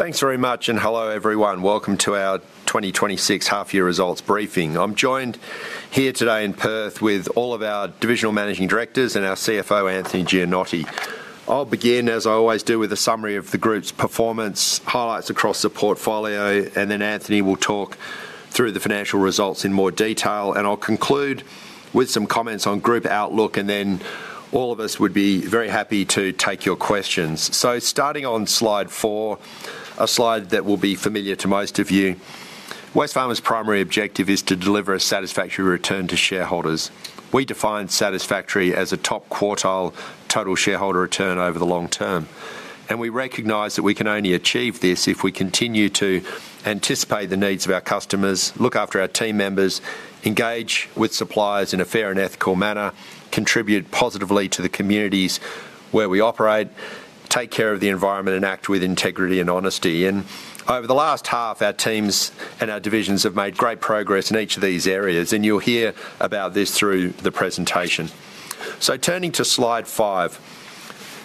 Thanks very much, and hello, everyone. Welcome to our 2026 half year results briefing. I'm joined here today in Perth with all of our divisional managing directors and our CFO, Anthony Gianotti. I'll begin, as I always do, with a summary of the group's performance, highlights across the portfolio, and then Anthony will talk through the financial results in more detail. I'll conclude with some comments on group outlook, and then all of us would be very happy to take your questions. Starting on slide four, a slide that will be familiar to most of you. Wesfarmers' primary objective is to deliver a satisfactory return to shareholders. We define satisfactory as a top quartile total shareholder return over the long term, and we recognize that we can only achieve this if we continue to anticipate the needs of our customers, look after our team members, engage with suppliers in a fair and ethical manner, contribute positively to the communities where we operate, take care of the environment, and act with integrity and honesty. Over the last half, our teams and our divisions have made great progress in each of these areas, and you'll hear about this through the presentation. Turning to slide five,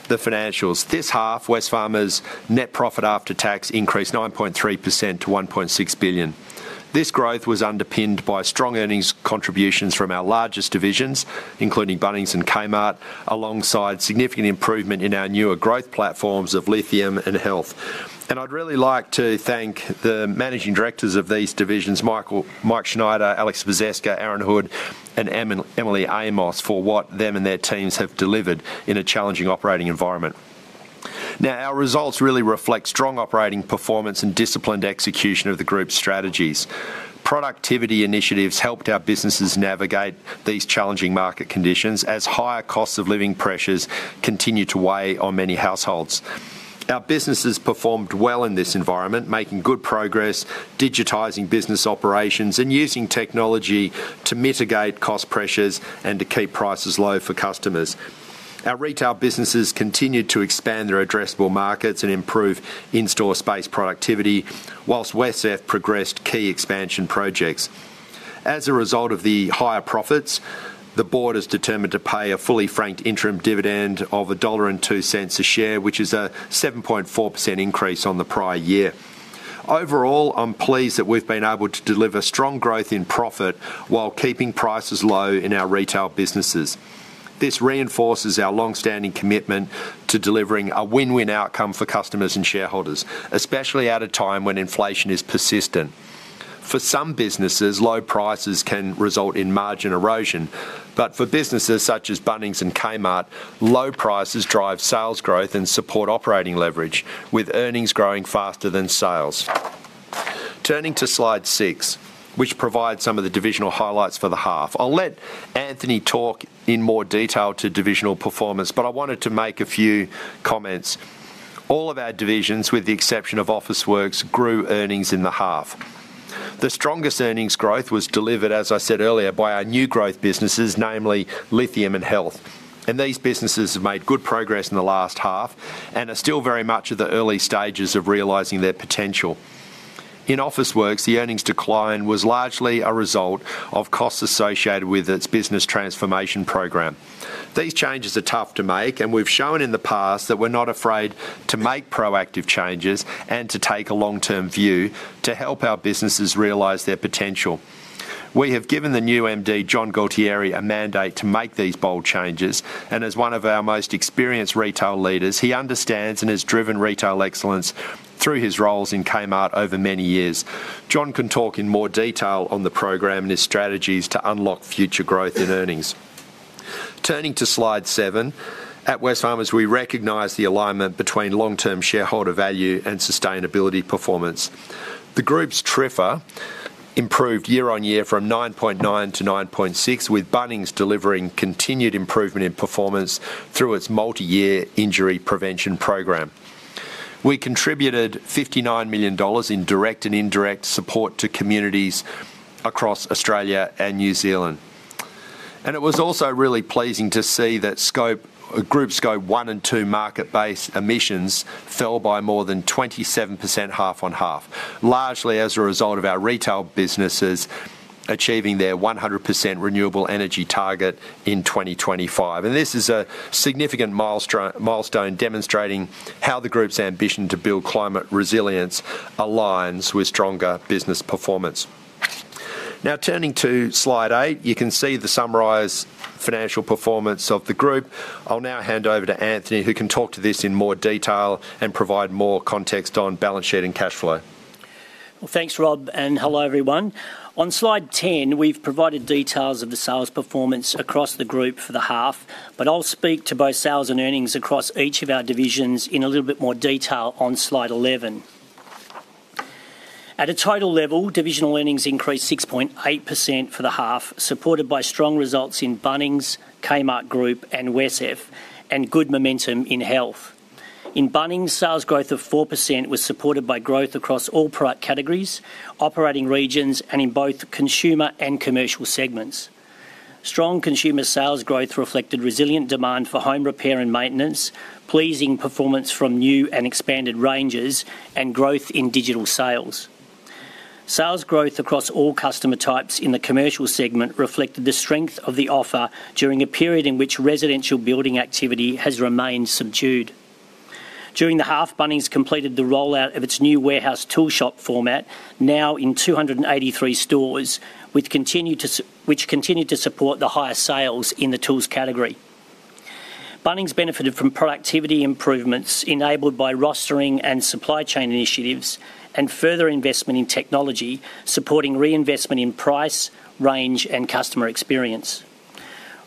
the financials. This half, Wesfarmers' net profit after tax increased 9.3% to 1.6 billion. This growth was underpinned by strong earnings contributions from our largest divisions, including Bunnings and Kmart, alongside significant improvement in our newer growth platforms of Lithium and Health. I'd really like to thank the managing directors of these divisions, Michael—Mike Schneider, Aleksandra Spaseska, Aaron Hood, and Emily Amos, for what them and their teams have delivered in a challenging operating environment. Now, our results really reflect strong operating performance and disciplined execution of the group's strategies. Productivity initiatives helped our businesses navigate these challenging market conditions as higher costs of living pressures continue to weigh on many households. Our businesses performed well in this environment, making good progress, digitizing business operations, and using technology to mitigate cost pressures and to keep prices low for customers. Our retail businesses continued to expand their addressable markets and improve in-store space productivity, while WesCEF progressed key expansion projects. As a result of the higher profits, the board is determined to pay a fully franked interim dividend of 1.02 dollar a share, which is a 7.4% increase on the prior year. Overall, I'm pleased that we've been able to deliver strong growth in profit while keeping prices low in our retail businesses. This reinforces our long-standing commitment to delivering a win-win outcome for customers and shareholders, especially at a time when inflation is persistent. For some businesses, low prices can result in margin erosion, but for businesses such as Bunnings and Kmart, low prices drive sales growth and support operating leverage, with earnings growing faster than sales. Turning to slide six, which provides some of the divisional highlights for the half. I'll let Anthony talk in more detail to divisional performance, but I wanted to make a few comments. All of our divisions, with the exception of Officeworks, grew earnings in the half. The strongest earnings growth was delivered, as I said earlier, by our new growth businesses, namely Lithium and Health. These businesses have made good progress in the last half and are still very much at the early stages of realizing their potential. In Officeworks, the earnings decline was largely a result of costs associated with its business transformation program. These changes are tough to make, and we've shown in the past that we're not afraid to make proactive changes and to take a long-term view to help our businesses realize their potential. We have given the new MD, John Gualtieri, a mandate to make these bold changes, and as one of our most experienced retail leaders, he understands and has driven retail excellence through his roles in Kmart over many years. John can talk in more detail on the program and his strategies to unlock future growth in earnings. Turning to slide seven, at Wesfarmers, we recognize the alignment between long-term shareholder value and sustainability performance. The group's TRIFR improved year-on-year from 9.9 to 9.6, with Bunnings delivering continued improvement in performance through its multi-year injury prevention program. We contributed 59 million dollars in direct and indirect support to communities across Australia and New Zealand. And it was also really pleasing to see that group Scope 1 and Scope 2 market-based emissions fell by more than 27%, half-on-half, largely as a result of our retail businesses achieving their 100% renewable energy target in 2025. And this is a significant milestone, demonstrating how the group's ambition to build climate resilience aligns with stronger business performance. Now, turning to slide eight, you can see the summarized financial performance of the group. I'll now hand over to Anthony, who can talk to this in more detail and provide more context on balance sheet and cash flow. Well, thanks, Rob, and hello, everyone. On slide 10, we've provided details of the sales performance across the group for the half, but I'll speak to both sales and earnings across each of our divisions in a little bit more detail on slide 11. At a total level, divisional earnings increased 6.8% for the half, supported by strong results in Bunnings, Kmart Group, and WesCEF, and good momentum in Health. In Bunnings, sales growth of 4% was supported by growth across all product categories, operating regions, and in both consumer and commercial segments. Strong consumer sales growth reflected resilient demand for home repair and maintenance, pleasing performance from new and expanded ranges, and growth in digital sales. Sales growth across all customer types in the commercial segment reflected the strength of the offer during a period in which residential building activity has remained subdued. During the half, Bunnings completed the rollout of its new warehouse tool shop format, now in 283 stores, which continued to support the higher sales in the tools category. Bunnings benefited from productivity improvements enabled by rostering and supply chain initiatives and further investment in technology, supporting reinvestment in price, range, and customer experience.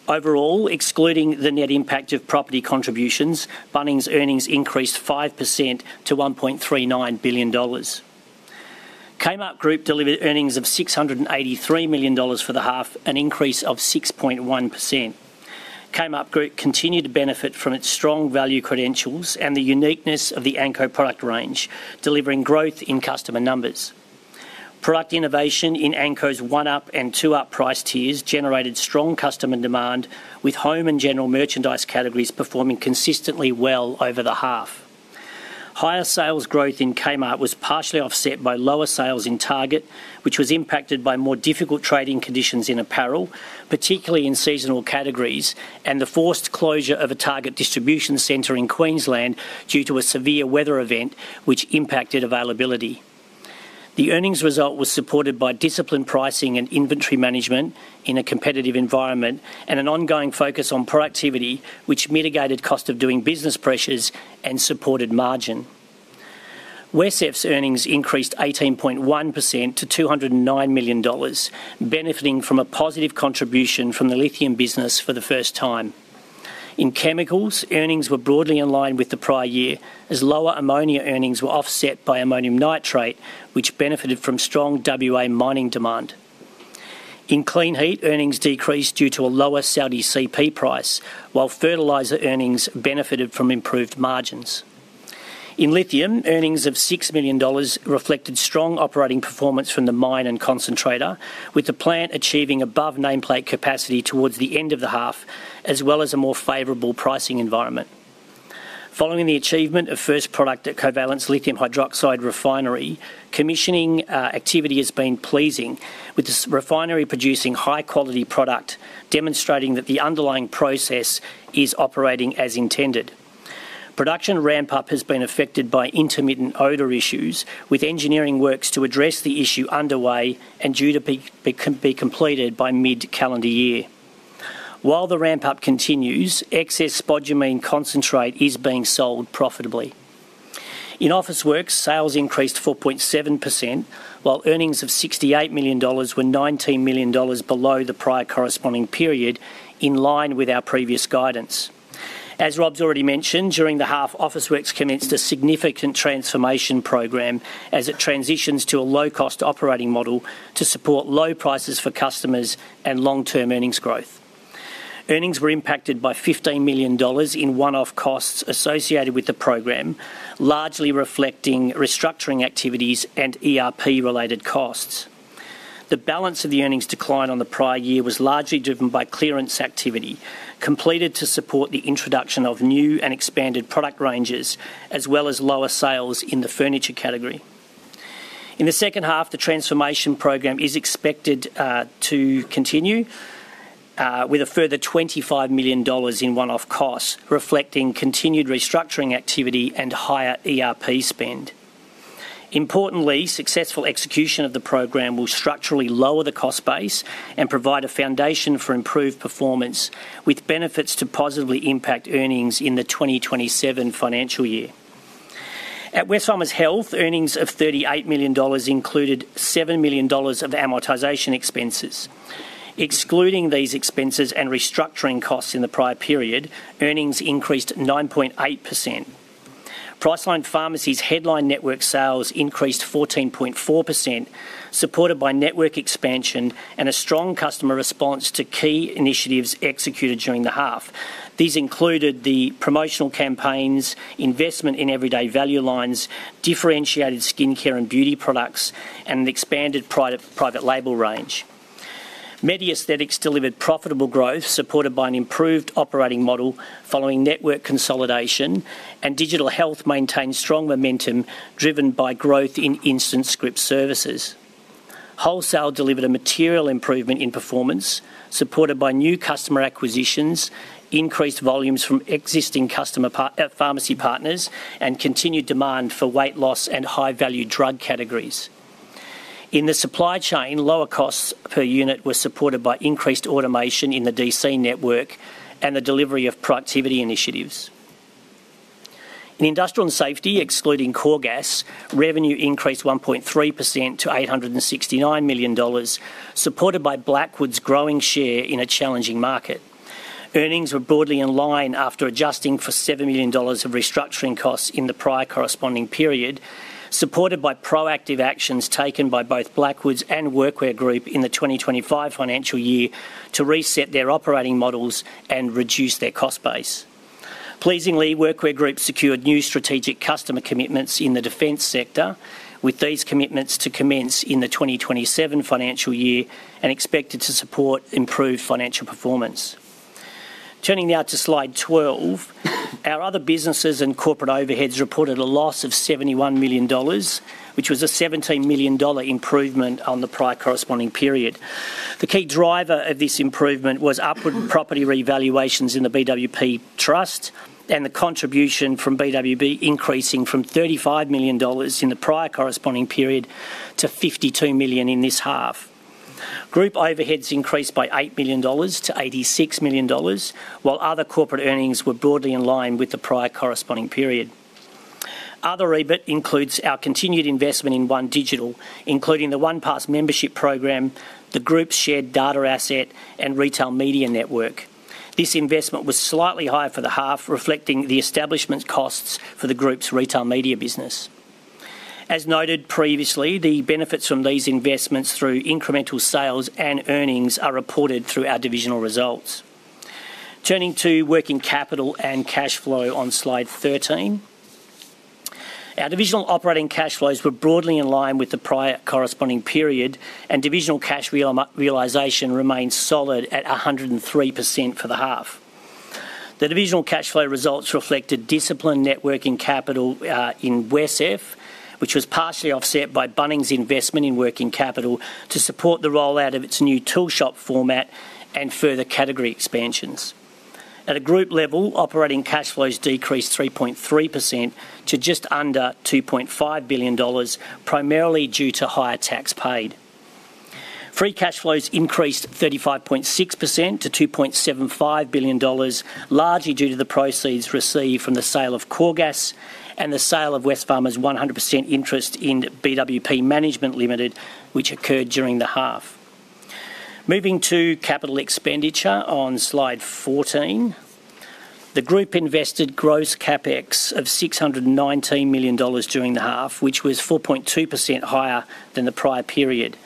Overall, excluding the net impact of property contributions, Bunnings' earnings increased 5% to 1.39 billion dollars. Kmart Group delivered earnings of 683 million dollars for the half, an increase of 6.1%. Kmart Group continued to benefit from its strong value credentials and the uniqueness of the Anko product range, delivering growth in customer numbers. Product innovation in Anko's one-up and two-up price tiers generated strong customer demand, with Home and General Merchandise categories performing consistently well over the half. Higher sales growth in Kmart was partially offset by lower sales in Target, which was impacted by more difficult trading conditions in apparel, particularly in seasonal categories, and the forced closure of a Target distribution center in Queensland due to a severe weather event, which impacted availability. The earnings result was supported by disciplined pricing and inventory management in a competitive environment and an ongoing focus on productivity, which mitigated cost of doing business pressures and supported margin. WesCEF's earnings increased 18.1% to 209 million dollars, benefiting from a positive contribution from the lithium business for the first time. In chemicals, earnings were broadly in line with the prior year, as lower ammonia earnings were offset by ammonium nitrate, which benefited from strong WA mining demand. In Kleenheat, earnings decreased due to a lower Saudi CP price, while fertilizer earnings benefited from improved margins. In lithium, earnings of 6 million dollars reflected strong operating performance from the mine and concentrator, with the plant achieving above nameplate capacity towards the end of the half, as well as a more favorable pricing environment. Following the achievement of first product at Covalent's Lithium Hydroxide refinery, commissioning activity has been pleasing, with this refinery producing high-quality product, demonstrating that the underlying process is operating as intended. Production ramp-up has been affected by intermittent odor issues, with engineering works to address the issue underway and due to be completed by mid-calendar year. While the ramp-up continues, excess spodumene concentrate is being sold profitably. In Officeworks, sales increased 4.7%, while earnings of 68 million dollars were 19 million dollars below the prior corresponding period, in line with our previous guidance. As Rob's already mentioned, during the half, Officeworks commenced a significant transformation program as it transitions to a low-cost operating model to support low prices for customers and long-term earnings growth. Earnings were impacted by 15 million dollars in one-off costs associated with the program, largely reflecting restructuring activities and ERP-related costs. The balance of the earnings decline on the prior year was largely driven by clearance activity, completed to support the introduction of new and expanded product ranges, as well as lower sales in the furniture category. In the second half, the transformation program is expected to continue with a further 25 million dollars in one-off costs, reflecting continued restructuring activity and higher ERP spend. Importantly, successful execution of the program will structurally lower the cost base and provide a foundation for improved performance, with benefits to positively impact earnings in the 2027 financial year. At Wesfarmers Health, earnings of 38 million dollars included 7 million dollars of amortization expenses. Excluding these expenses and restructuring costs in the prior period, earnings increased 9.8%. Priceline Pharmacy's headline network sales increased 14.4%, supported by network expansion and a strong customer response to key initiatives executed during the half. These included the promotional campaigns, investment in everyday value lines, differentiated skincare and beauty products, and an expanded private label range. MediAesthetics delivered profitable growth, supported by an improved operating model following network consolidation, and digital health maintained strong momentum, driven by growth in InstantScripts services. Wholesale delivered a material improvement in performance, supported by new customer acquisitions, increased volumes from existing customer pharmacy partners, and continued demand for weight loss and high-value drug categories. In the supply chain, lower costs per unit were supported by increased automation in the DC network and the delivery of productivity initiatives. In Industrial and Safety, excluding Coregas, revenue increased 1.3% to 869 million dollars, supported by Blackwoods' growing share in a challenging market. Earnings were broadly in line after adjusting for AUD 7 million of restructuring costs in the prior corresponding period, supported by proactive actions taken by both Blackwoods and Workwear Group in the 2025 financial year to reset their operating models and reduce their cost base. Pleasingly, Workwear Group secured new strategic customer commitments in the defense sector, with these commitments to commence in the 2027 financial year and expected to support improved financial performance. Turning now to slide 12, our other businesses and corporate overheads reported a loss of 71 million dollars, which was a 17 million dollar improvement on the prior corresponding period. The key driver of this improvement was upward property revaluations in the BWP Trust and the contribution from BWP increasing from 35 million dollars in the prior corresponding period to 52 million in this half. Group overheads increased by 8 million-86 million dollars, while other corporate earnings were broadly in line with the prior corresponding period. Other EBIT includes our continued investment in OneDigital, including the OnePass membership program, the group's shared data asset, and retail media network. This investment was slightly higher for the half, reflecting the establishment costs for the group's retail media business. As noted previously, the benefits from these investments through incremental sales and earnings are reported through our divisional results. Turning to working capital and cash flow on slide 13. Our divisional operating cash flows were broadly in line with the prior corresponding period, and divisional cash realization remains solid at 103% for the half. The divisional cash flow results reflected disciplined net working capital in Wesfarmers, which was partially offset by Bunnings' investment in working capital to support the rollout of its new tool shop format and further category expansions. At a group level, operating cash flows decreased 3.3% to just under 2.5 billion dollars, primarily due to higher tax paid. Free cash flows increased 35.6% to 2.75 billion dollars, largely due to the proceeds received from the sale of Coregas and the sale of Wesfarmers' 100% interest in BWP Management Limited, which occurred during the half. Moving to capital expenditure on slide 14. The group invested gross CapEx of 619 million dollars during the half, which was 4.2% higher than the prior period.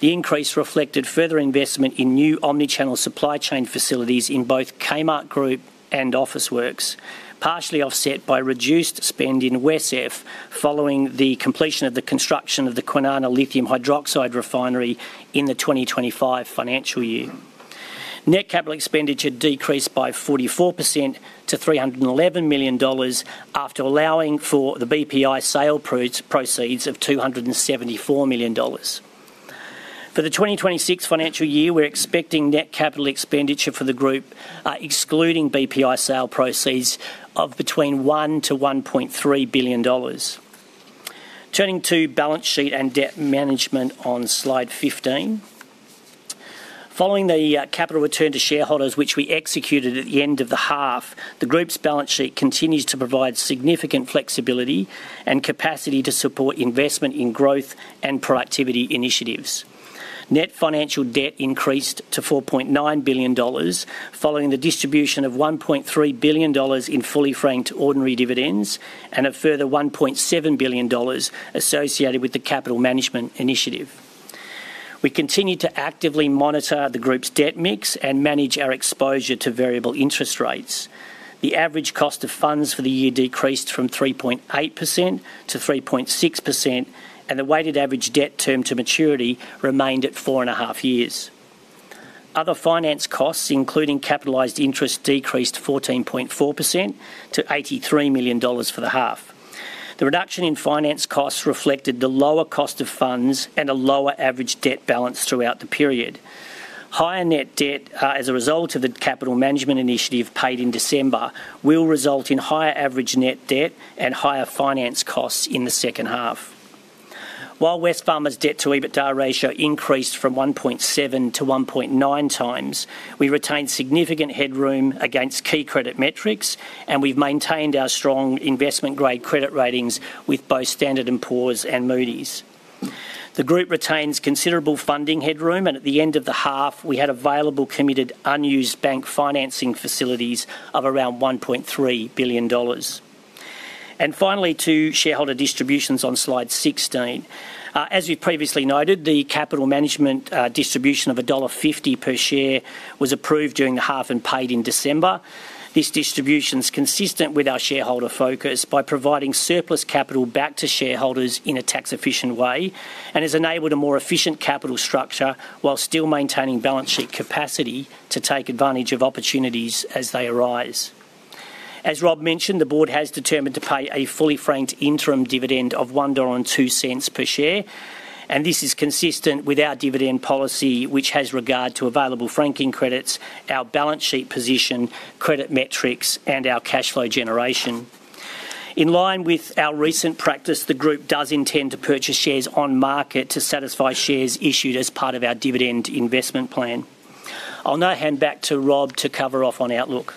The increase reflected further investment in new omnichannel supply chain facilities in both Kmart Group and Officeworks, partially offset by reduced spend in WesCEF following the completion of the construction of the Kwinana Lithium Hydroxide Refinery in the 2025 financial year. Net capital expenditure decreased by 44% to 311 million dollars after allowing for the BWP sale proceeds of 274 million dollars. For the 2026 financial year, we're expecting net capital expenditure for the group, excluding BPI sale proceeds, of between 1 billion-1.3 billion dollars. Turning to balance sheet and debt management on slide 15. Following the capital return to shareholders, which we executed at the end of the half, the group's balance sheet continues to provide significant flexibility and capacity to support investment in growth and productivity initiatives. Net financial debt increased to 4.9 billion dollars, following the distribution of 1.3 billion dollars in fully franked ordinary dividends and a further 1.7 billion dollars associated with the capital management initiative. We continue to actively monitor the group's debt mix and manage our exposure to variable interest rates. The average cost of funds for the year decreased from 3.8% to 3.6%, and the weighted average debt term to maturity remained at 4.5 years. Other finance costs, including capitalized interest, decreased 14.4% to 83 million dollars for the half. The reduction in finance costs reflected the lower cost of funds and a lower average debt balance throughout the period. Higher net debt, as a result of the capital management initiative paid in December, will result in higher average net debt and higher finance costs in the second half. While Wesfarmers' debt-to-EBITDA ratio increased from 1.7x to 1.9x, we retained significant headroom against key credit metrics, and we've maintained our strong investment-grade credit ratings with both Standard & Poor's and Moody's. The group retains considerable funding headroom, and at the end of the half, we had available committed, unused bank financing facilities of around 1.3 billion dollars. Finally, to shareholder distributions on slide 16. As we've previously noted, the capital management distribution of dollar 1.50 per share was approved during the half and paid in December. This distribution's consistent with our shareholder focus by providing surplus capital back to shareholders in a tax-efficient way and has enabled a more efficient capital structure while still maintaining balance sheet capacity to take advantage of opportunities as they arise. As Rob mentioned, the board has determined to pay a fully franked interim dividend of 1.02 dollar per share, and this is consistent with our dividend policy, which has regard to available franking credits, our balance sheet position, credit metrics, and our cash flow generation. In line with our recent practice, the group does intend to purchase shares on market to satisfy shares issued as part of our dividend investment plan. I'll now hand back to Rob to cover off on outlook.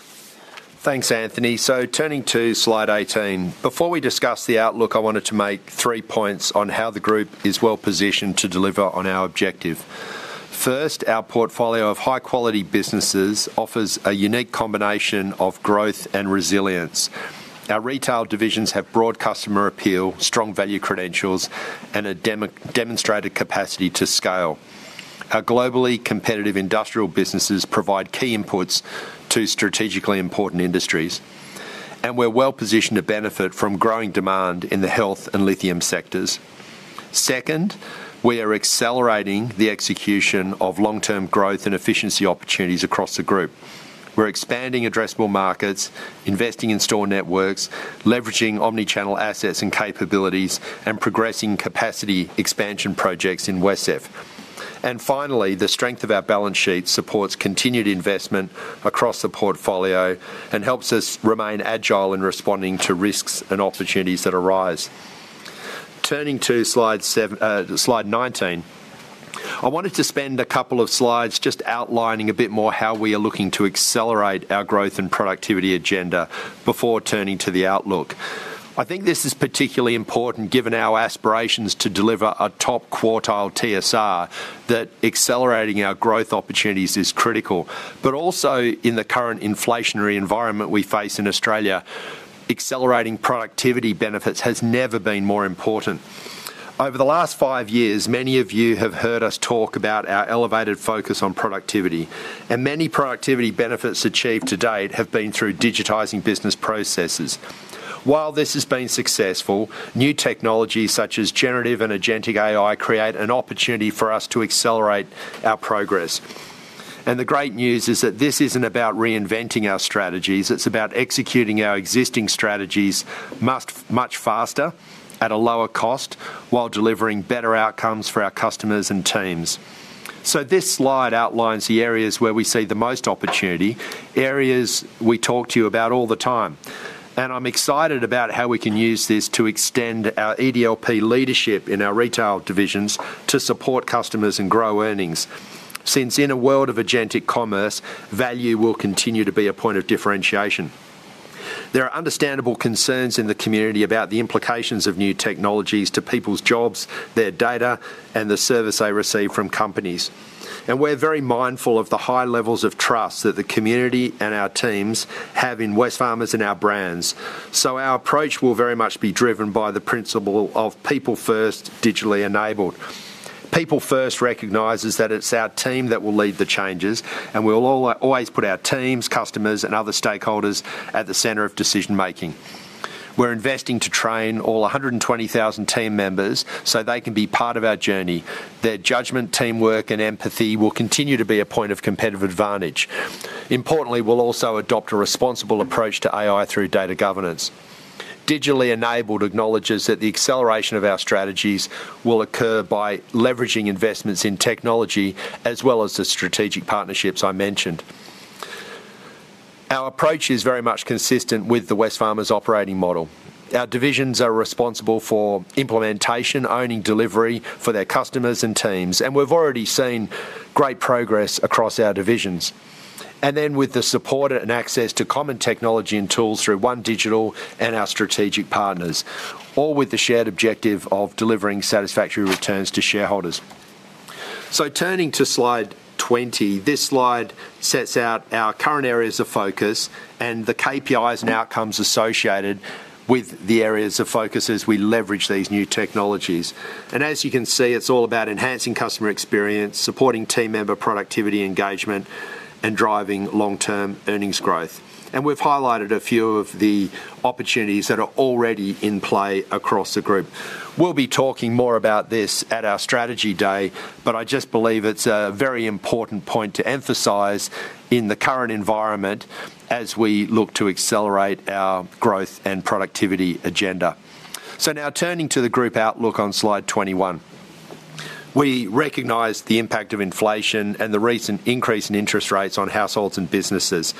Thanks, Anthony. So turning to slide 18. Before we discuss the outlook, I wanted to make 3 points on how the group is well positioned to deliver on our objective. First, our portfolio of high-quality businesses offers a unique combination of growth and resilience. Our retail divisions have broad customer appeal, strong value credentials, and a demonstrated capacity to scale. Our globally competitive industrial businesses provide key inputs to strategically important industries.... And we're well positioned to benefit from growing demand in the health and lithium sectors. Second, we are accelerating the execution of long-term growth and efficiency opportunities across the group. We're expanding addressable markets, investing in store networks, leveraging omnichannel assets and capabilities, and progressing capacity expansion projects in WesCEF. And finally, the strength of our balance sheet supports continued investment across the portfolio and helps us remain agile in responding to risks and opportunities that arise. Turning to slide 19, I wanted to spend a couple of slides just outlining a bit more how we are looking to accelerate our growth and productivity agenda before turning to the outlook. I think this is particularly important, given our aspirations to deliver a top-quartile TSR, that accelerating our growth opportunities is critical. But also, in the current inflationary environment we face in Australia, accelerating productivity benefits has never been more important. Over the last five years, many of you have heard us talk about our elevated focus on productivity, and many productivity benefits achieved to date have been through digitizing business processes. While this has been successful, new technologies such as generative and agentic AI create an opportunity for us to accelerate our progress. The great news is that this isn't about reinventing our strategies, it's about executing our existing strategies much faster at a lower cost, while delivering better outcomes for our customers and teams. This slide outlines the areas where we see the most opportunity, areas we talk to you about all the time, and I'm excited about how we can use this to extend our EDLP leadership in our retail divisions to support customers and grow earnings. Since in a world of Agentic Commerce, value will continue to be a point of differentiation. There are understandable concerns in the community about the implications of new technologies to people's jobs, their data, and the service they receive from companies. We're very mindful of the high levels of trust that the community and our teams have in Wesfarmers and our brands. So our approach will very much be driven by the principle of people first, digitally enabled. People first recognizes that it's our team that will lead the changes, and we will always put our teams, customers, and other stakeholders at the center of decision-making. We're investing to train all 120,000 team members, so they can be part of our journey. Their judgment, teamwork, and empathy will continue to be a point of competitive advantage. Importantly, we'll also adopt a responsible approach to AI through data governance. Digitally enabled acknowledges that the acceleration of our strategies will occur by leveraging investments in technology, as well as the strategic partnerships I mentioned. Our approach is very much consistent with the Wesfarmers operating model. Our divisions are responsible for implementation, owning delivery for their customers and teams, and we've already seen great progress across our divisions. And then, with the support and access to common technology and tools through OneDigital and our strategic partners, all with the shared objective of delivering satisfactory returns to shareholders. So turning to Slide 20, this slide sets out our current areas of focus and the KPIs and outcomes associated with the areas of focus as we leverage these new technologies. And as you can see, it's all about enhancing customer experience, supporting team member productivity engagement, and driving long-term earnings growth. And we've highlighted a few of the opportunities that are already in play across the group. We'll be talking more about this at our strategy day, but I just believe it's a very important point to emphasize in the current environment as we look to accelerate our growth and productivity agenda. So now turning to the group outlook on Slide 21. We recognize the impact of inflation and the recent increase in interest rates on households and businesses.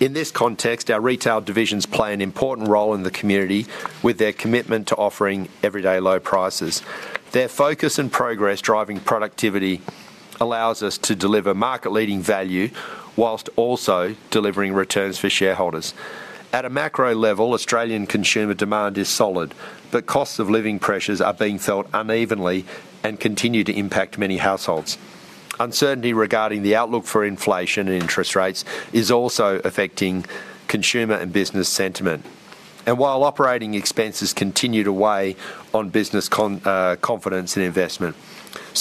In this context, our retail divisions play an important role in the community, with their commitment to offering everyday low prices. Their focus and progress driving productivity allows us to deliver market-leading value whilst also delivering returns for shareholders. At a macro level, Australian consumer demand is solid, but cost of living pressures are being felt unevenly and continue to impact many households. Uncertainty regarding the outlook for inflation and interest rates is also affecting consumer and business sentiment, and while operating expenses continue to weigh on business confidence and investment.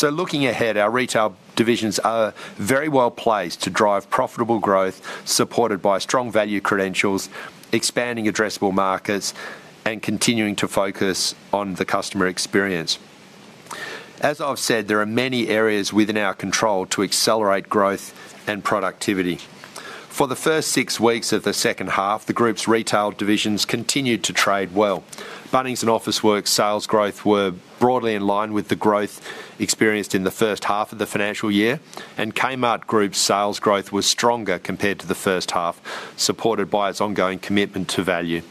Looking ahead, our retail divisions are very well placed to drive profitable growth, supported by strong value credentials, expanding addressable markets, and continuing to focus on the customer experience. As I've said, there are many areas within our control to accelerate growth and productivity. For the first six weeks of the second half, the group's retail divisions continued to trade well. Bunnings and Officeworks sales growth were broadly in line with the growth experienced in the first half of the financial year, and Kmart Group's sales growth was stronger compared to the first half, supported by its ongoing commitment to value.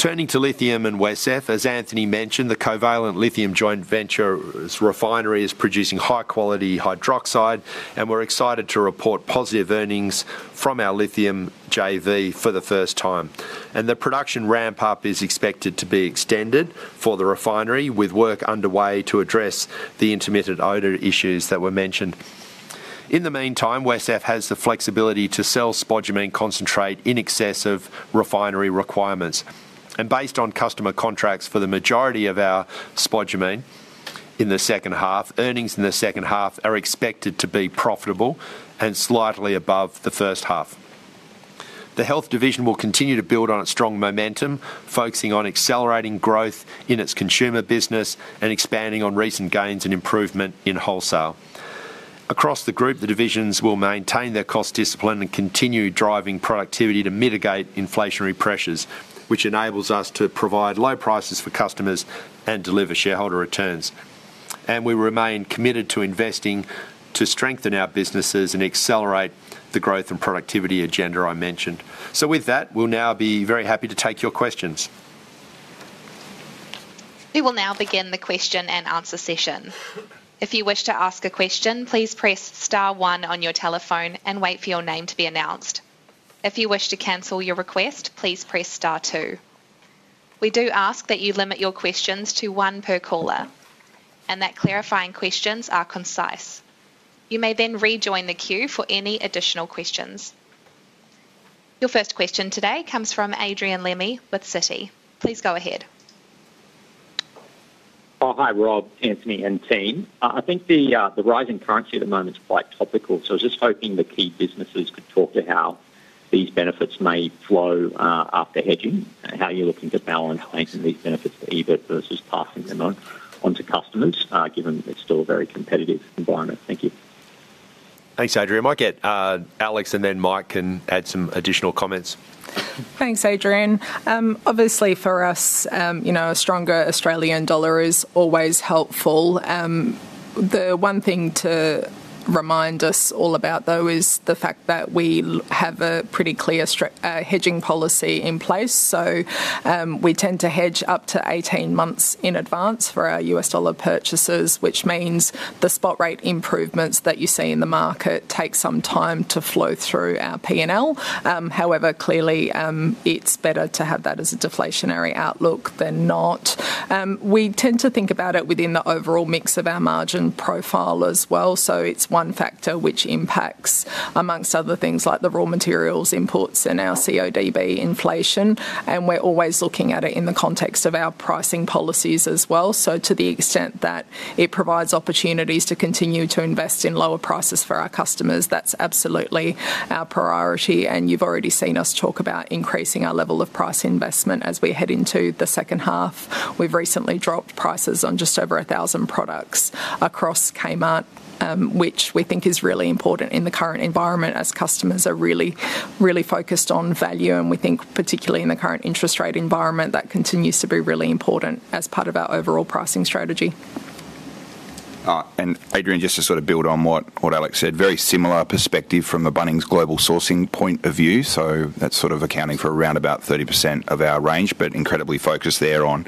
Turning to lithium and WesCEF, as Anthony mentioned, the Covalent Lithium joint venture's refinery is producing high-quality hydroxide, and we're excited to report positive earnings from our lithium JV for the first time. The production ramp-up is expected to be extended for the refinery, with work underway to address the intermittent odor issues that were mentioned. In the meantime, WesCEF has the flexibility to sell spodumene concentrate in excess of refinery requirements. Based on customer contracts, for the majority of our spodumene concentrate in the second half. Earnings in the second half are expected to be profitable and slightly above the first half. The health division will continue to build on its strong momentum, focusing on accelerating growth in its consumer business and expanding on recent gains and improvement in wholesale. Across the group, the divisions will maintain their cost discipline and continue driving productivity to mitigate inflationary pressures, which enables us to provide low prices for customers and deliver shareholder returns. We remain committed to investing to strengthen our businesses and accelerate the growth and productivity agenda I mentioned. With that, we'll now be very happy to take your questions. We will now begin the question-and-answer session. If you wish to ask a question, please press star one on your telephone and wait for your name to be announced. If you wish to cancel your request, please press star two. We do ask that you limit your questions to one per caller, and that clarifying questions are concise. You may then rejoin the queue for any additional questions. Your first question today comes from Adrian Lemme with Citi. Please go ahead. Oh, hi, Rob, Anthony, and team. I think the rising currency at the moment is quite topical, so I was just hoping the key businesses could talk to how these benefits may flow after hedging, and how you're looking to balance maintaining these benefits to EBIT versus passing them on to customers, given it's still a very competitive environment. Thank you. Thanks, Adrian. I might get Aleks, and then Mike can add some additional comments. Thanks, Adrian. Obviously for us, you know, a stronger Australian dollar is always helpful. The one thing to remind us all about, though, is the fact that we have a pretty clear hedging policy in place. So, we tend to hedge up to 18 months in advance for our U.S. dollar purchases, which means the spot rate improvements that you see in the market take some time to flow through our P&L. However, clearly, it's better to have that as a deflationary outlook than not. We tend to think about it within the overall mix of our margin profile as well. So it's one factor which impacts, amongst other things, like the raw materials imports and our CODB inflation, and we're always looking at it in the context of our pricing policies as well. To the extent that it provides opportunities to continue to invest in lower prices for our customers, that's absolutely our priority, and you've already seen us talk about increasing our level of price investment as we head into the second half. We've recently dropped prices on just over 1,000 products across Kmart, which we think is really important in the current environment as customers are really, really focused on value, and we think, particularly in the current interest rate environment, that continues to be really important as part of our overall pricing strategy. Adrian, just to sort of build on what, what Aleks said, very similar perspective from the Bunnings global sourcing point of view. So that's sort of accounting for around about 30% of our range, but incredibly focused there on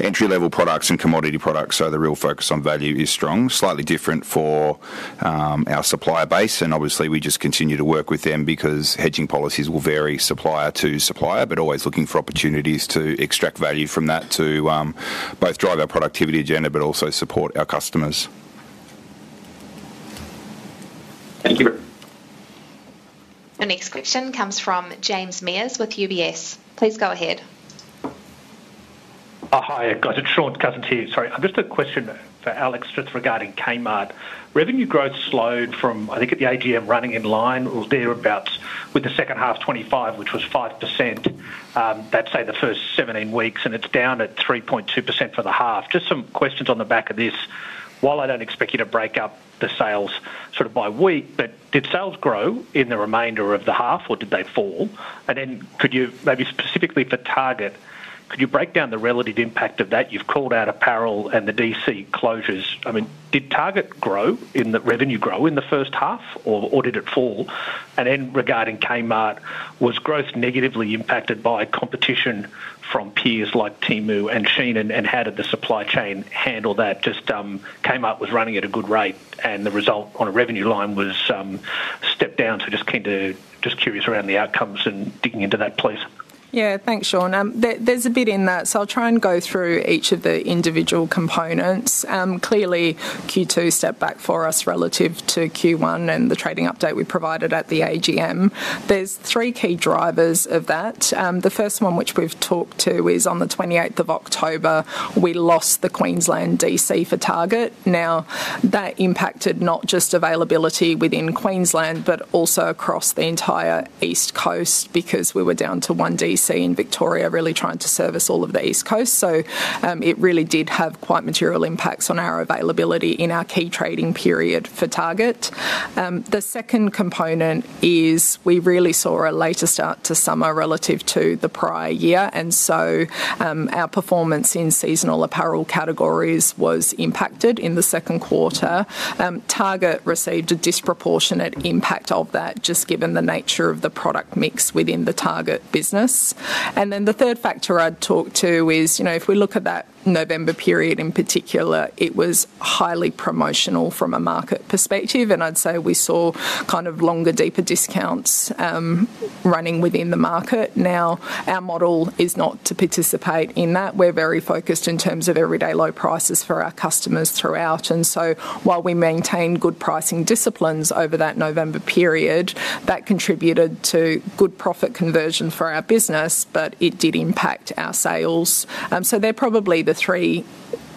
entry-level products and commodity products. So the real focus on value is strong. Slightly different for our supplier base, and obviously we just continue to work with them because hedging policies will vary, supplier to supplier, but always looking for opportunities to extract value from that to both drive our productivity agenda but also support our customers. Thank you. The next question comes from James Mears with UBS. Please go ahead. Hi, guys. It's Shaun Cousins here. Sorry, just a question for Aleks, just regarding Kmart. Revenue growth slowed from, I think, at the AGM, running in line or thereabouts, with the second half 2025, which was 5%. That's, say, the first 17 weeks, and it's down at 3.2% for the half. Just some questions on the back of this. While I don't expect you to break up the sales sort of by week, but did sales grow in the remainder of the half, or did they fall? And then could you, maybe specifically for Target, could you break down the relative impact of that? You've called out apparel and the DC closures. I mean, did Target grow in the revenue grow in the first half, or did it fall? Then regarding Kmart, was growth negatively impacted by competition from peers like Temu and Shein, and how did the supply chain handle that? Just, Kmart was running at a good rate, and the result on a revenue line was stepped down. So just keen to, just curious around the outcomes and digging into that, please. Yeah. Thanks, Shaun. There, there's a bit in that, so I'll try and go through each of the individual components. Clearly, Q2 stepped back for us relative to Q1 and the trading update we provided at the AGM. There're three key drivers of that. The first one, which we've talked to, is on the 28th of October, we lost the Queensland DC for Target. Now, that impacted not just availability within Queensland, but also across the entire East Coast, because we were down to one DC in Victoria, really trying to service all of the East Coast. So, it really did have quite material impacts on our availability in our key trading period for Target. The second component is we really saw a later start to summer relative to the prior year, and so, our performance in seasonal apparel categories was impacted in the second quarter. Target received a disproportionate impact of that, just given the nature of the product mix within the Target business. And then the third factor I'd talk to is, you know, if we look at that November period in particular, it was highly promotional from a market perspective, and I'd say we saw kind of longer, deeper discounts, running within the market. Now, our model is not to participate in that. We're very focused in terms of everyday low prices for our customers throughout. And so while we maintain good pricing disciplines over that November period, that contributed to good profit conversion for our business, but it did impact our sales. So they're probably the three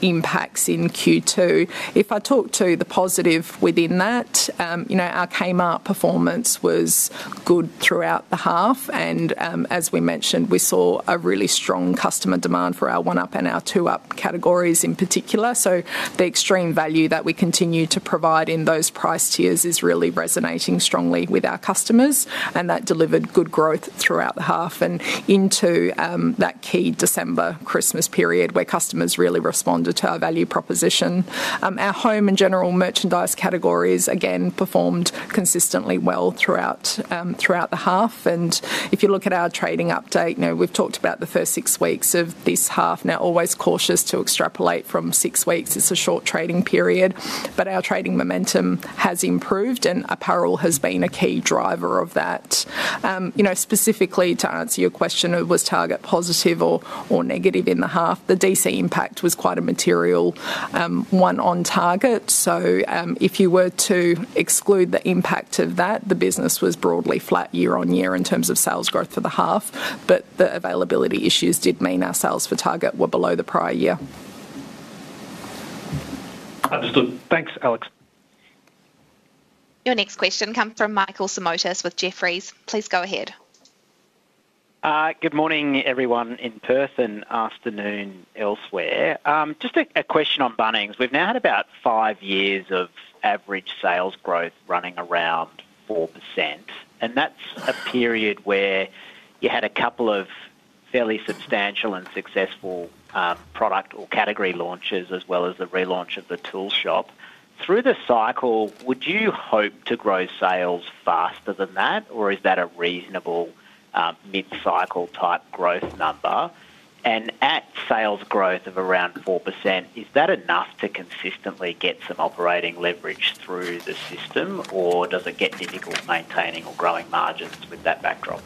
impacts in Q2. If I talk to the positive within that, you know, our Kmart performance was good throughout the half, and, as we mentioned, we saw a really strong customer demand for our one-up and our two-up categories in particular. So the extreme value that we continue to provide in those price tiers is really resonating strongly with our customers, and that delivered good growth throughout the half and into that key December Christmas period, where customers really responded to our value proposition. Our Home and General Merchandise categories, again, performed consistently well throughout the half. And if you look at our trading update, you know, we've talked about the first six weeks of this half. Now, always cautious to extrapolate from six weeks. It's a short trading period, but our trading momentum has improved, and apparel has been a key driver of that. You know, specifically to answer your question, was Target positive or negative in the half, the DC impact was quite a material one on Target. So, if you were to exclude the impact of that, the business was broadly flat year on year in terms of sales growth for the half, but the availability issues did mean our sales for Target were below the prior year. Understood. Thanks, Aleks. Your next question comes from Michael Simotas with Jefferies. Please go ahead. Good morning, everyone in person, afternoon elsewhere. Just a question on Bunnings. We've now had about five years of average sales growth running around 4%, and that's a period where you had a couple of fairly substantial and successful product or category launches, as well as the relaunch of the tool shop. Through the cycle, would you hope to grow sales faster than that, or is that a reasonable mid-cycle type growth number? At sales growth of around 4%, is that enough to consistently get some operating leverage through the system, or does it get difficult maintaining or growing margins with that backdrop?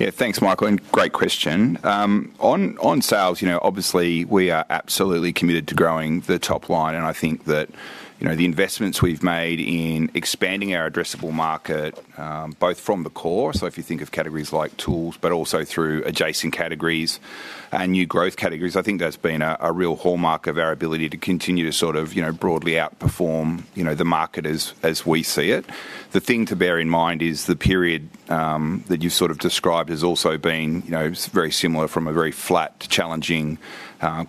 Yeah. Thanks, Michael, and great question. On sales, you know, obviously, we are absolutely committed to growing the top line, and I think that, you know, the investments we've made in expanding our addressable market, both from the core, so if you think of categories like tools, but also through adjacent categories and new growth categories, I think that's been a real hallmark of our ability to continue to sort of, you know, broadly outperform, you know, the market as we see it. The thing to bear in mind is the period that you sort of described has also been, you know, very similar from a very flat, challenging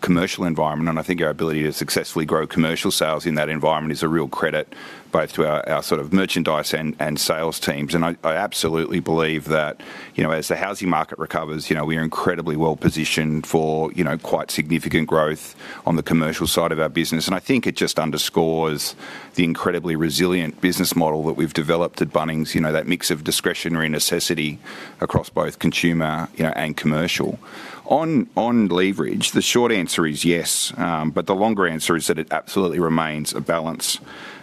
commercial environment, and I think our ability to successfully grow commercial sales in that environment is a real credit both to our sort of merchandise and sales teams. I absolutely believe that, you know, as the housing market recovers, you know, we are incredibly well positioned for, you know, quite significant growth on the commercial side of our business. And I think it just underscores the incredibly resilient business model that we've developed at Bunnings, you know, that mix of discretionary necessity across both consumer, you know, and commercial. On leverage, the short answer is yes, but the longer answer is that it absolutely remains a balance.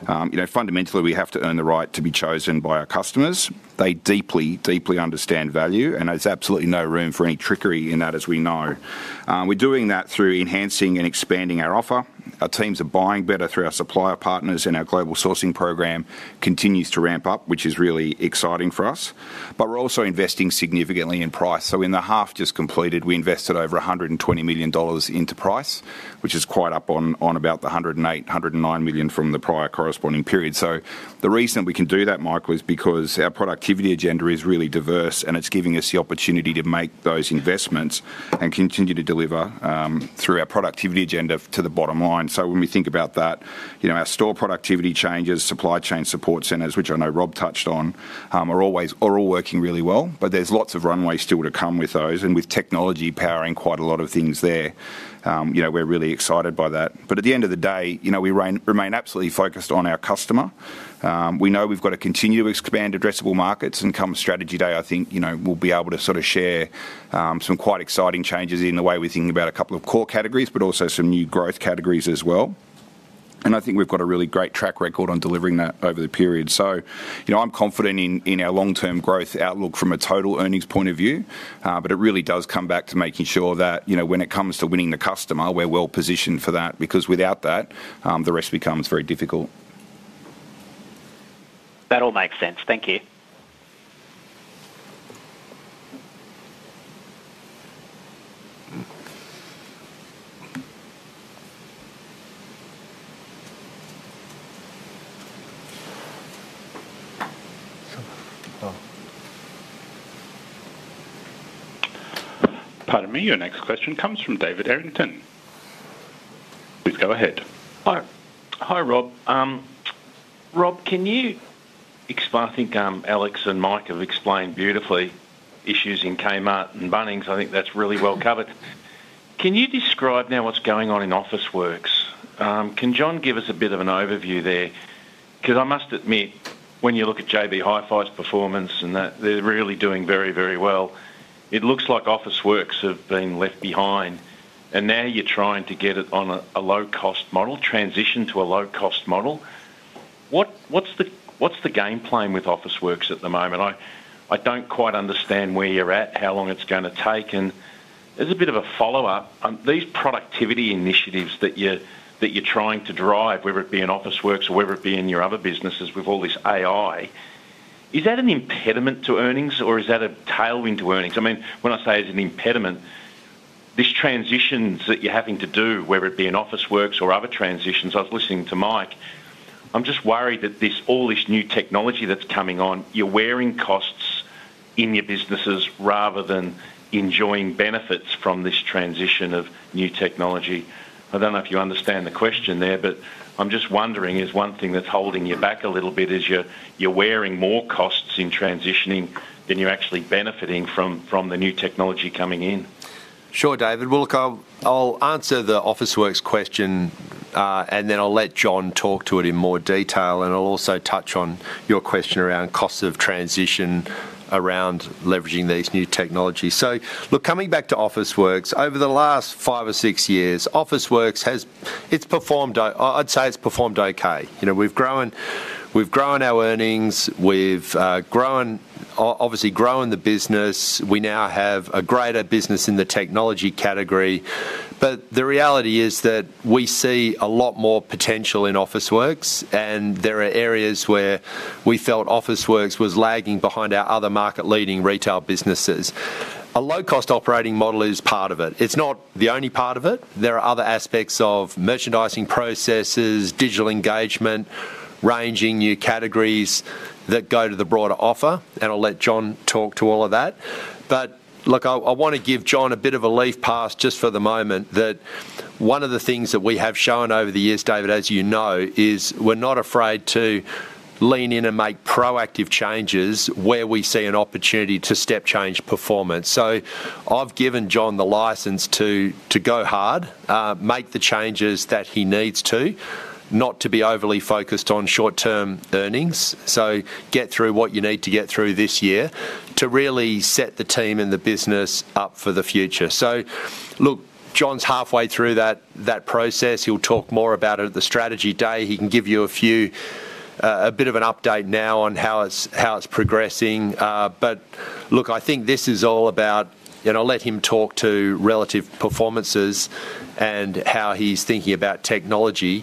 You know, fundamentally, we have to earn the right to be chosen by our customers. They deeply, deeply understand value, and there's absolutely no room for any trickery in that, as we know. We're doing that through enhancing and expanding our offer. Our teams are buying better through our supplier partners, and our global sourcing program continues to ramp up, which is really exciting for us. But we're also investing significantly in price. So in the half just completed, we invested over 120 million dollars into price, which is quite up on, on about the 108 million-109 million from the prior corresponding period. So the reason we can do that, Michael, is because our productivity agenda is really diverse, and it's giving us the opportunity to make those investments and continue to deliver, through our productivity agenda to the bottom line. So when we think about that, you know, our store productivity changes, supply chain support centers, which I know Rob touched on, are all working really well, but there's lots of runway still to come with those, and with technology powering quite a lot of things there, you know, we're really excited by that. But at the end of the day, you know, we remain absolutely focused on our customer. We know we've got to continue to expand addressable markets, and come strategy day, I think, you know, we'll be able to sort of share some quite exciting changes in the way we think about a couple of core categories, but also some new growth categories as well. And I think we've got a really great track record on delivering that over the period. You know, I'm confident in our long-term growth outlook from a total earnings point of view, but it really does come back to making sure that, you know, when it comes to winning the customer, we're well positioned for that, because without that, the rest becomes very difficult. That all makes sense. Thank you. Pardon me, your next question comes from David Errington. Please go ahead. Hi. Hi, Rob. Rob, can you explain? I think, Aleks and Mike have explained beautifully issues in Kmart and Bunnings. I think that's really well covered. Can you describe now what's going on in Officeworks? Can John give us a bit of an overview there? 'Cause I must admit, when you look at JB Hi-Fi's performance and that, they're really doing very, very well. It looks like Officeworks have been left behind, and now you're trying to get it on a low-cost model, transition to a low-cost model. What's the game plan with Officeworks at the moment? I don't quite understand where you're at, how long it's gonna take. As a bit of a follow-up, these productivity initiatives that you're, that you're trying to drive, whether it be in Officeworks or whether it be in your other businesses with all this AI, is that an impediment to earnings, or is that a tailwind to earnings? I mean, when I say is it an impediment, these transitions that you're having to do, whether it be in Officeworks or other transitions, I was listening to Mike, I'm just worried that this, all this new technology that's coming on, you're wearing costs in your businesses rather than enjoying benefits from this transition of new technology. I don't know if you understand the question there, but I'm just wondering, is one thing that's holding you back a little bit is you're, you're wearing more costs in transitioning than you're actually benefiting from, from the new technology coming in? Sure, David. Well, look, I'll answer the Officeworks question, and then I'll let John talk to it in more detail, and I'll also touch on your question around costs of transition around leveraging these new technologies. So look, coming back to Officeworks, over the last five or six years, Officeworks has. It's performed, I'd say it's performed okay. You know, we've grown, we've grown our earnings, we've grown. Obviously growing the business, we now have a greater business in the technology category. But the reality is that we see a lot more potential in Officeworks, and there are areas where we felt Officeworks was lagging behind our other market-leading retail businesses. A low-cost operating model is part of it. It's not the only part of it. There are other aspects of merchandising processes, digital engagement, ranging new categories that go to the broader offer, and I'll let John talk to all of that. But look, I want to give John a bit of a free pass just for the moment, that one of the things that we have shown over the years, David, as you know, is we're not afraid to lean in and make proactive changes where we see an opportunity to step change performance. So I've given John the license to, to go hard, make the changes that he needs to, not to be overly focused on short-term earnings. So get through what you need to get through this year to really set the team and the business up for the future. So look, John's halfway through that, that process. He'll talk more about it at the strategy day. He can give you a few, a bit of an update now on how it's, how it's progressing. But look, I think this is all about... And I'll let him talk to relative performances and how he's thinking about technology.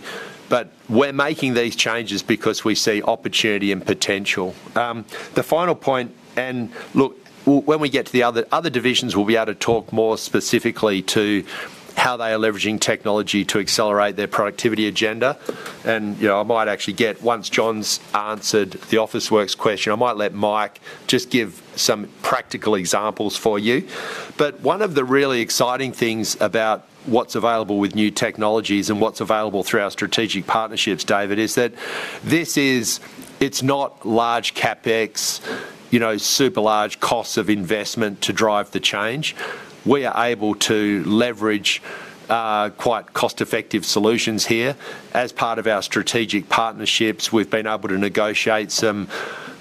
But we're making these changes because we see opportunity and potential. The final point, and look, when we get to the other divisions, we'll be able to talk more specifically to how they are leveraging technology to accelerate their productivity agenda. And, you know, I might actually get, once John's answered the Officeworks question, I might let Mike just give some practical examples for you. But one of the really exciting things about what's available with new technologies and what's available through our strategic partnerships, David, is that it's not large CapEx, you know, super large costs of investment to drive the change. We are able to leverage quite cost-effective solutions here. As part of our strategic partnerships, we've been able to negotiate some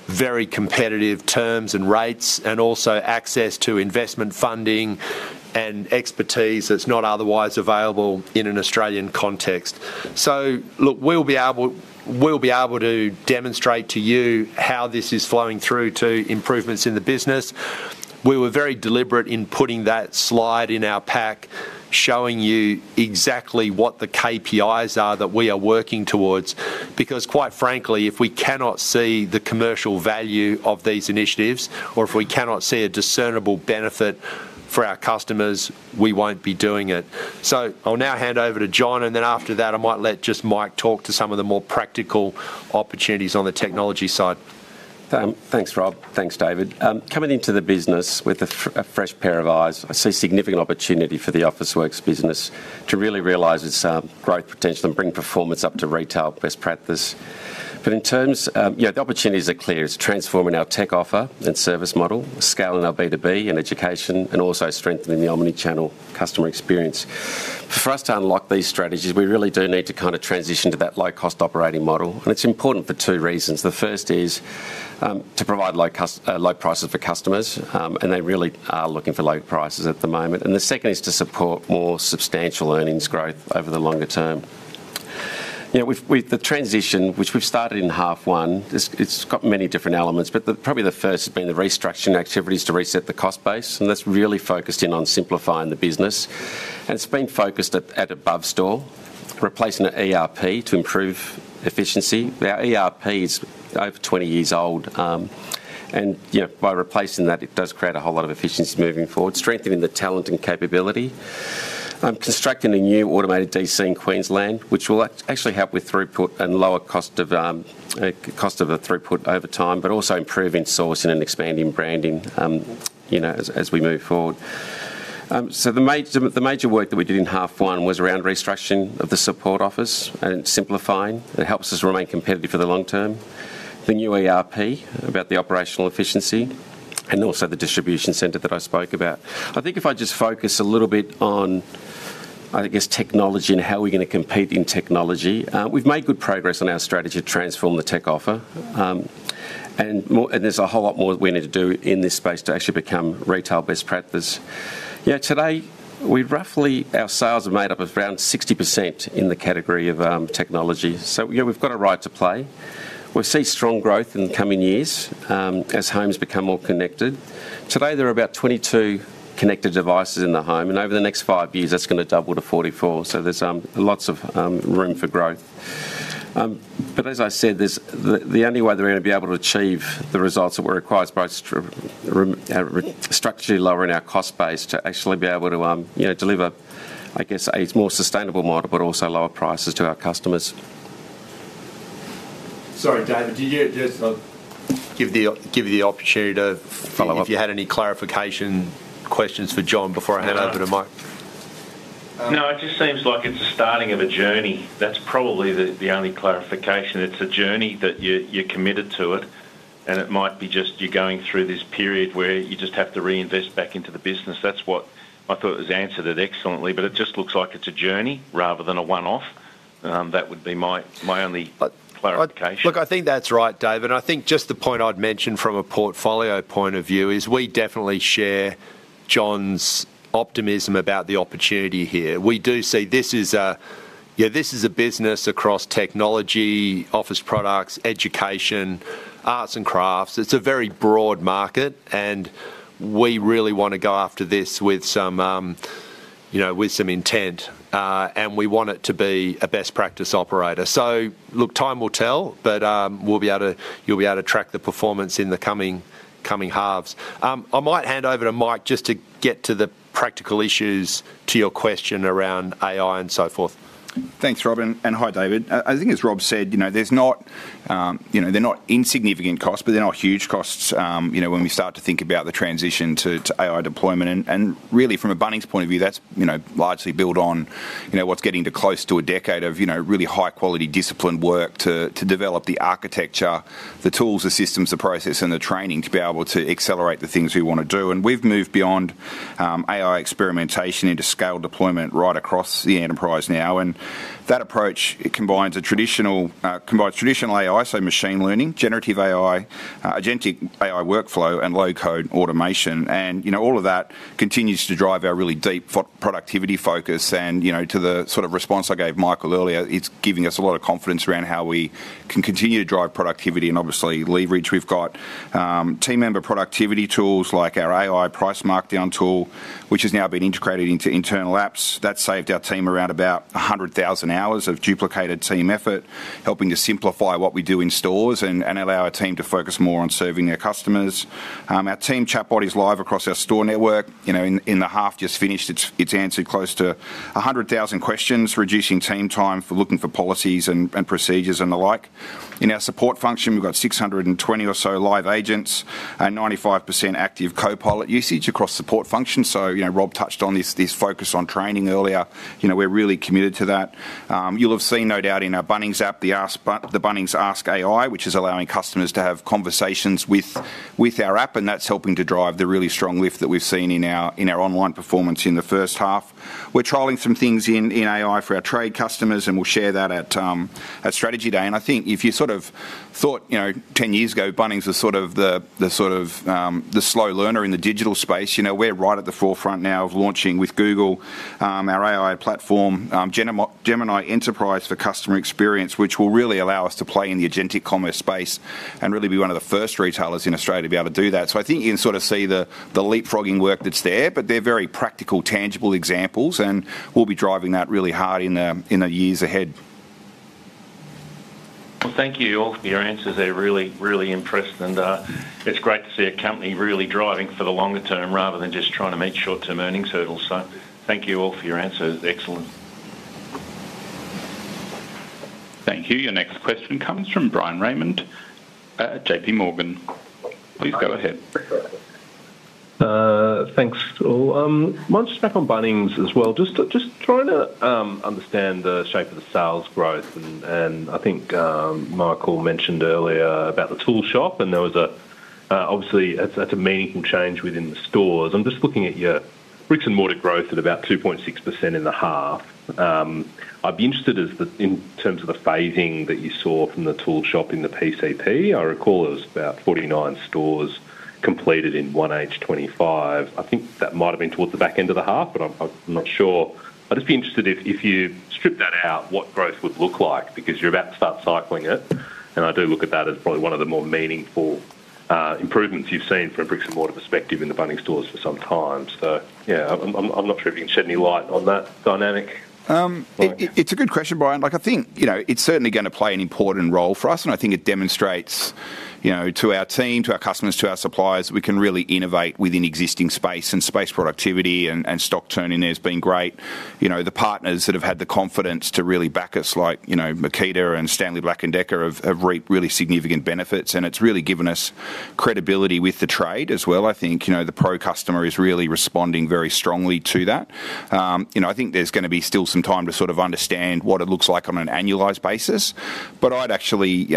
very competitive terms and rates and also access to investment funding and expertise that's not otherwise available in an Australian context. So look, we'll be able, we'll be able to demonstrate to you how this is flowing through to improvements in the business. We were very deliberate in putting that slide in our pack, showing you exactly what the KPIs are that we are working towards, because, quite frankly, if we cannot see the commercial value of these initiatives, or if we cannot see a discernible benefit for our customers, we won't be doing it. So I'll now hand over to John, and then after that, I might let just Mike talk to some of the more practical opportunities on the technology side. Thanks, Rob. Thanks, David. Coming into the business with a fresh pair of eyes, I see significant opportunity for the Officeworks business to really realize its growth potential and bring performance up to retail best practice. But in terms, yeah, the opportunities are clear. It's transforming our tech offer and service model, scaling our B2B and education, and also strengthening the omnichannel customer experience. For us to unlock these strategies, we really do need to kind of transition to that low-cost operating model, and it's important for two reasons. The first is to provide low prices for customers, and they really are looking for low prices at the moment. And the second is to support more substantial earnings growth over the longer term. You know, with the transition, which we've started in half one, this—it's got many different elements, but probably the first has been the restructuring activities to reset the cost base, and that's really focused in on simplifying the business. And it's been focused on above store, replacing the ERP to improve efficiency. Our ERP is over 20 years old, and, you know, by replacing that, it does create a whole lot of efficiency moving forward, strengthening the talent and capability. Constructing a new automated DC in Queensland, which will actually help with throughput and lower cost of cost of the throughput over time, but also improving sourcing and expanding branding, you know, as we move forward. So the major, the major work that we did in half one was around restructuring of the support office and simplifying. It helps us remain competitive for the long term. The new ERP, about the operational efficiency, and also the distribution center that I spoke about. I think if I just focus a little bit on, I guess, technology and how we're gonna compete in technology, we've made good progress on our strategy to transform the tech offer. And more, and there's a whole lot more that we need to do in this space to actually become retail best practice. Yeah, today, we are roughly our sales are made up of around 60% in the category of technology. So, you know, we've got a right to play. We see strong growth in the coming years, as homes become more connected. Today, there are about 22 connected devices in the home, and over the next five years, that's gonna double to 44. There's lots of room for growth. But as I said, the only way we're gonna be able to achieve the results that we require is by structurally lowering our cost base to actually be able to, you know, deliver, I guess, a more sustainable model, but also lower prices to our customers. Sorry, David, did you just... I'll give you the opportunity to follow up- Thank you. If you had any clarification questions for John before I hand over to Mike? No, it just seems like it's the starting of a journey. That's probably the only clarification. It's a journey that you're committed to it, and it might be just you're going through this period where you just have to reinvest back into the business. That's what I thought it was answered it excellently, but it just looks like it's a journey rather than a one-off. That would be my only- But- -clarification. Look, I think that's right, David. I think just the point I'd mention from a portfolio point of view is we definitely share John's optimism about the opportunity here. We do see this is a, yeah, this is a business across technology, office products, education, arts and crafts. It's a very broad market, and we really want to go after this with some, you know, with some intent, and we want it to be a best practice operator. So look, time will tell, but, we'll be able to. You'll be able to track the performance in the coming halves. I might hand over to Mike just to get to the practical issues, to your question around AI and so forth. Thanks, Rob, and hi, David. I think as Rob said, you know, there's not, you know, they're not insignificant costs, but they're not huge costs, you know, when we start to think about the transition to AI deployment. Really, from a Bunnings point of view, that's, you know, largely built on, you know, what's getting to close to a decade of, you know, really high-quality, disciplined work to develop the architecture, the tools, the systems, the process, and the training to be able to accelerate the things we want to do. And we've moved beyond AI experimentation into scale deployment right across the enterprise now. And that approach combines traditional AI, so machine learning, generative AI, agentic AI workflow, and low-code automation. You know, all of that continues to drive our really deep productivity focus. You know, to the sort of response I gave Michael earlier, it's giving us a lot of confidence around how we can continue to drive productivity and obviously leverage. We've got team member productivity tools like our AI price markdown tool, which has now been integrated into internal apps. That saved our team around about 100,000 hours of duplicated team effort, helping to simplify what we do in stores and, and allow our team to focus more on serving their customers. Our team chatbot is live across our store network. You know, in the half just finished, it's answered close to 100,000 questions, reducing team time for looking for policies and, and procedures and the like. In our support function, we've got 620 or so live agents and 95% active Copilot usage across support functions. So, you know, Rob touched on this, this focus on training earlier. You know, we're really committed to that. You'll have seen, no doubt, in our Bunnings app, the Bunnings Ask AI, which is allowing customers to have conversations with our app, and that's helping to drive the really strong lift that we've seen in our online performance in the first half. We're trialing some things in AI for our trade customers, and we'll share that at Strategy Day. I think if you sort of thought, you know, 10 years ago, Bunnings was sort of the slow learner in the digital space, you know, we're right at the forefront now of launching with Google, our AI platform, Gemini Enterprise for customer experience, which will really allow us to play in the agentic commerce space and really be one of the first retailers in Australia to be able to do that. So I think you can sort of see the leapfrogging work that's there, but they're very practical, tangible examples, and we'll be driving that really hard in the years ahead. Well, thank you all for your answers. They're really, really impressed, and it's great to see a company really driving for the longer term rather than just trying to meet short-term earnings hurdles. So thank you all for your answers. Excellent. Thank you. Your next question comes from Bryan Raymond at J.P. Morgan. Please go ahead. Thanks to all. I might just back on Bunnings as well. Just trying to understand the shape of the sales growth, and I think Michael mentioned earlier about the tool shop, and there was a... Obviously, that's a meaningful change within the stores. I'm just looking at your bricks and mortar growth at about 2.6% in the half. I'd be interested in terms of the phasing that you saw from the tool shop in the PCP. I recall it was about 49 stores completed in 1H 2025. I think that might have been towards the back end of the half, but I'm not sure. I'd just be interested if you strip that out, what growth would look like, because you're about to start cycling it, and I do look at that as probably one of the more meaningful improvements you've seen from a bricks-and-mortar perspective in the Bunnings stores for some time. So yeah, I'm not sure if you can shed any light on that dynamic. It's a good question, Bryan. Like, I think, you know, it's certainly gonna play an important role for us, and I think it demonstrates, you know, to our team, to our customers, to our suppliers, we can really innovate within existing space. And space productivity and stock turning there has been great. You know, the partners that have had the confidence to really back us, like, you know, Makita and Stanley Black & Decker, have reaped really significant benefits, and it's really given us credibility with the trade as well. I think, you know, the pro customer is really responding very strongly to that. You know, I think there's gonna be still some time to sort of understand what it looks like on an annualized basis, but I'd actually, you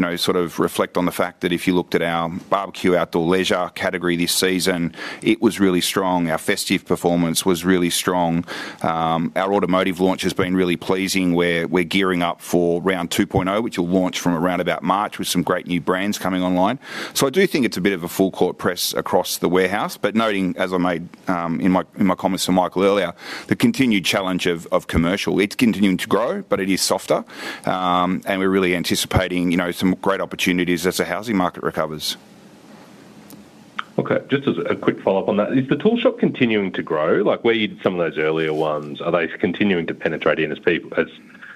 know, sort of reflect on the fact that if you looked at our barbecue outdoor leisure category this season, it was really strong. Our festive performance was really strong. Our automotive launch has been really pleasing, where we're gearing up for round 2.0, which will launch from around about March, with some great new brands coming online. So I do think it's a bit of a full court press across the warehouse, but noting, as I made, in my, in my comments to Michael earlier, the continued challenge of, of commercial. It's continuing to grow, but it is softer, and we're really anticipating, you know, some great opportunities as the housing market recovers. Okay, just as a quick follow-up on that, is the tool shop continuing to grow? Like, where are some of those earlier ones, are they continuing to penetrate in as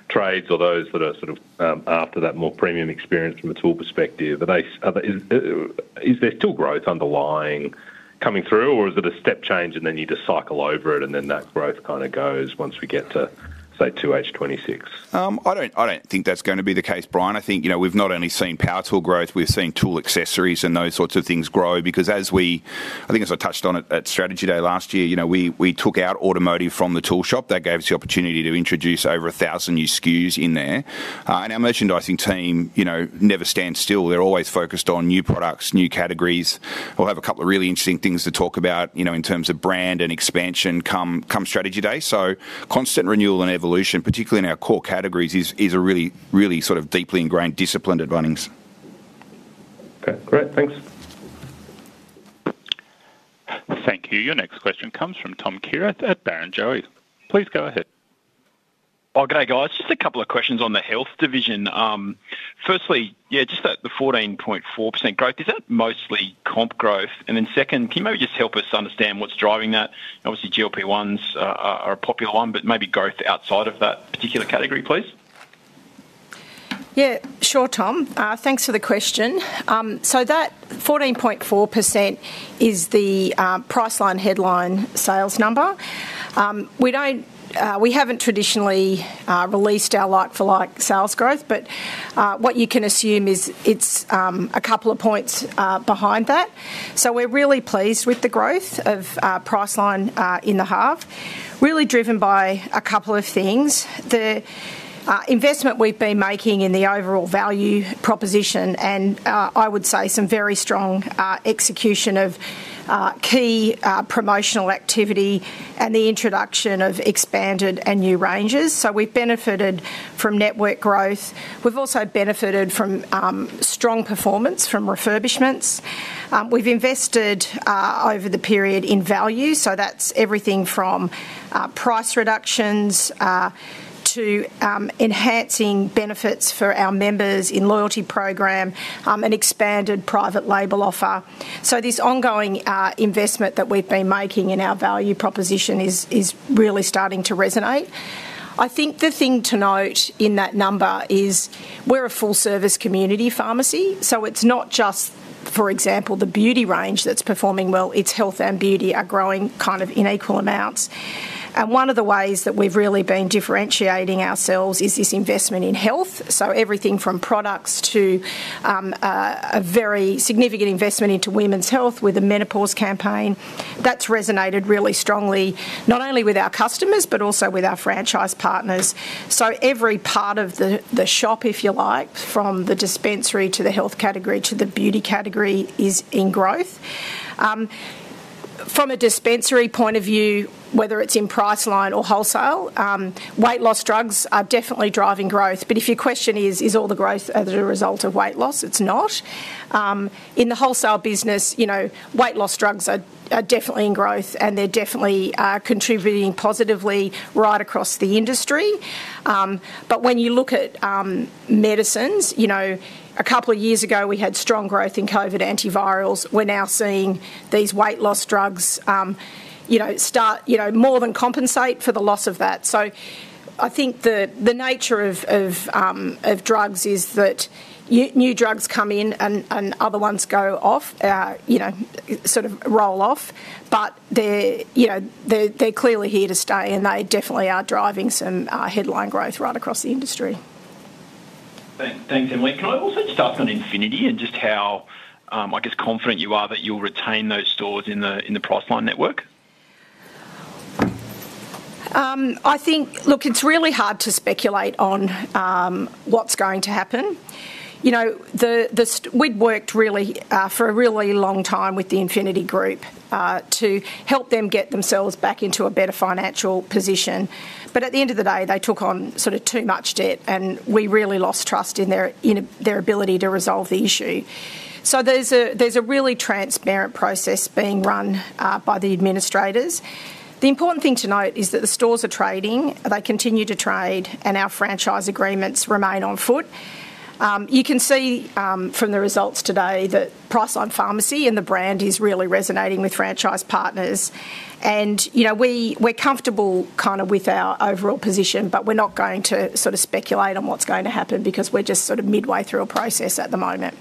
trades or those that are sort of after that more premium experience from a tool perspective? Is there still growth underlying coming through, or is it a step change, and then you just cycle over it, and then that growth kind of goes once we get to, say, 2H 2026? I don't, I don't think that's going to be the case, Bryan. I think, you know, we've not only seen power tool growth, we've seen tool accessories and those sorts of things grow. Because as we, I think, as I touched on it at Strategy Day last year, you know, we took out automotive from the tool shop. That gave us the opportunity to introduce over 1,000 new SKUs in there. And our merchandising team, you know, never stands still. They're always focused on new products, new categories. We'll have a couple of really interesting things to talk about, you know, in terms of brand and expansion come Strategy Day. So constant renewal and evolution, particularly in our core categories, is a really sort of deeply ingrained discipline at Bunnings. Okay, great. Thanks. Thank you. Your next question comes from Tom Kierath at Barrenjoey. Please go ahead. Okay, guys, just a couple of questions on the health division. Firstly, yeah, just that the 14.4% growth, is that mostly comp growth? And then second, can you maybe just help us understand what's driving that? Obviously, GLP-1s are a popular one, but maybe growth outside of that particular category, please. Yeah, sure, Tom. Thanks for the question. So that 14.4% is the Priceline headline sales number. We don't, we haven't traditionally released our like-for-like sales growth, but what you can assume is it's a couple of points behind that. So we're really pleased with the growth of Priceline in the half. Really driven by a couple of things. The investment we've been making in the overall value proposition, and I would say some very strong execution of key promotional activity and the introduction of expanded and new ranges. So we've benefited from network growth. We've also benefited from strong performance from refurbishments. We've invested over the period in value, so that's everything from price reductions to enhancing benefits for our members in loyalty program and expanded private label offer. So this ongoing investment that we've been making in our value proposition is really starting to resonate. I think the thing to note in that number is we're a full-service community pharmacy, so it's not just, for example, the beauty range that's performing well, it's health and beauty are growing kind of in equal amounts. And one of the ways that we've really been differentiating ourselves is this investment in health. So everything from products to a very significant investment into women's health with the menopause campaign. That's resonated really strongly, not only with our customers, but also with our franchise partners. So every part of the shop, if you like, from the dispensary to the health category to the beauty category, is in growth. From a dispensary point of view, whether it's in Priceline or wholesale, weight loss drugs are definitely driving growth. But if your question is, is all the growth as a result of weight loss? It's not. In the wholesale business, you know, weight loss drugs are definitely in growth, and they're definitely contributing positively right across the industry. But when you look at medicines, you know, a couple of years ago, we had strong growth in COVID antivirals. We're now seeing these weight loss drugs, you know, start, you know, more than compensate for the loss of that. So I think the nature of drugs is that new drugs come in and other ones go off, you know, sort of roll off, but they're, you know, they're clearly here to stay, and they definitely are driving some headline growth right across the industry. Thanks, Emily. Can I also just ask on Infinity and just how, I guess, confident you are that you'll retain those stores in the Priceline network? I think... Look, it's really hard to speculate on what's going to happen. You know, we'd worked really for a really long time with the Infinity Group to help them get themselves back into a better financial position. But at the end of the day, they took on sort of too much debt, and we really lost trust in their ability to resolve the issue. So there's a really transparent process being run by the administrators. The important thing to note is that the stores are trading, they continue to trade, and our franchise agreements remain on foot. You can see from the results today that Priceline Pharmacy and the brand is really resonating with franchise partners. You know, we're comfortable kind of with our overall position, but we're not going to sort of speculate on what's going to happen because we're just sort of midway through a process at the moment.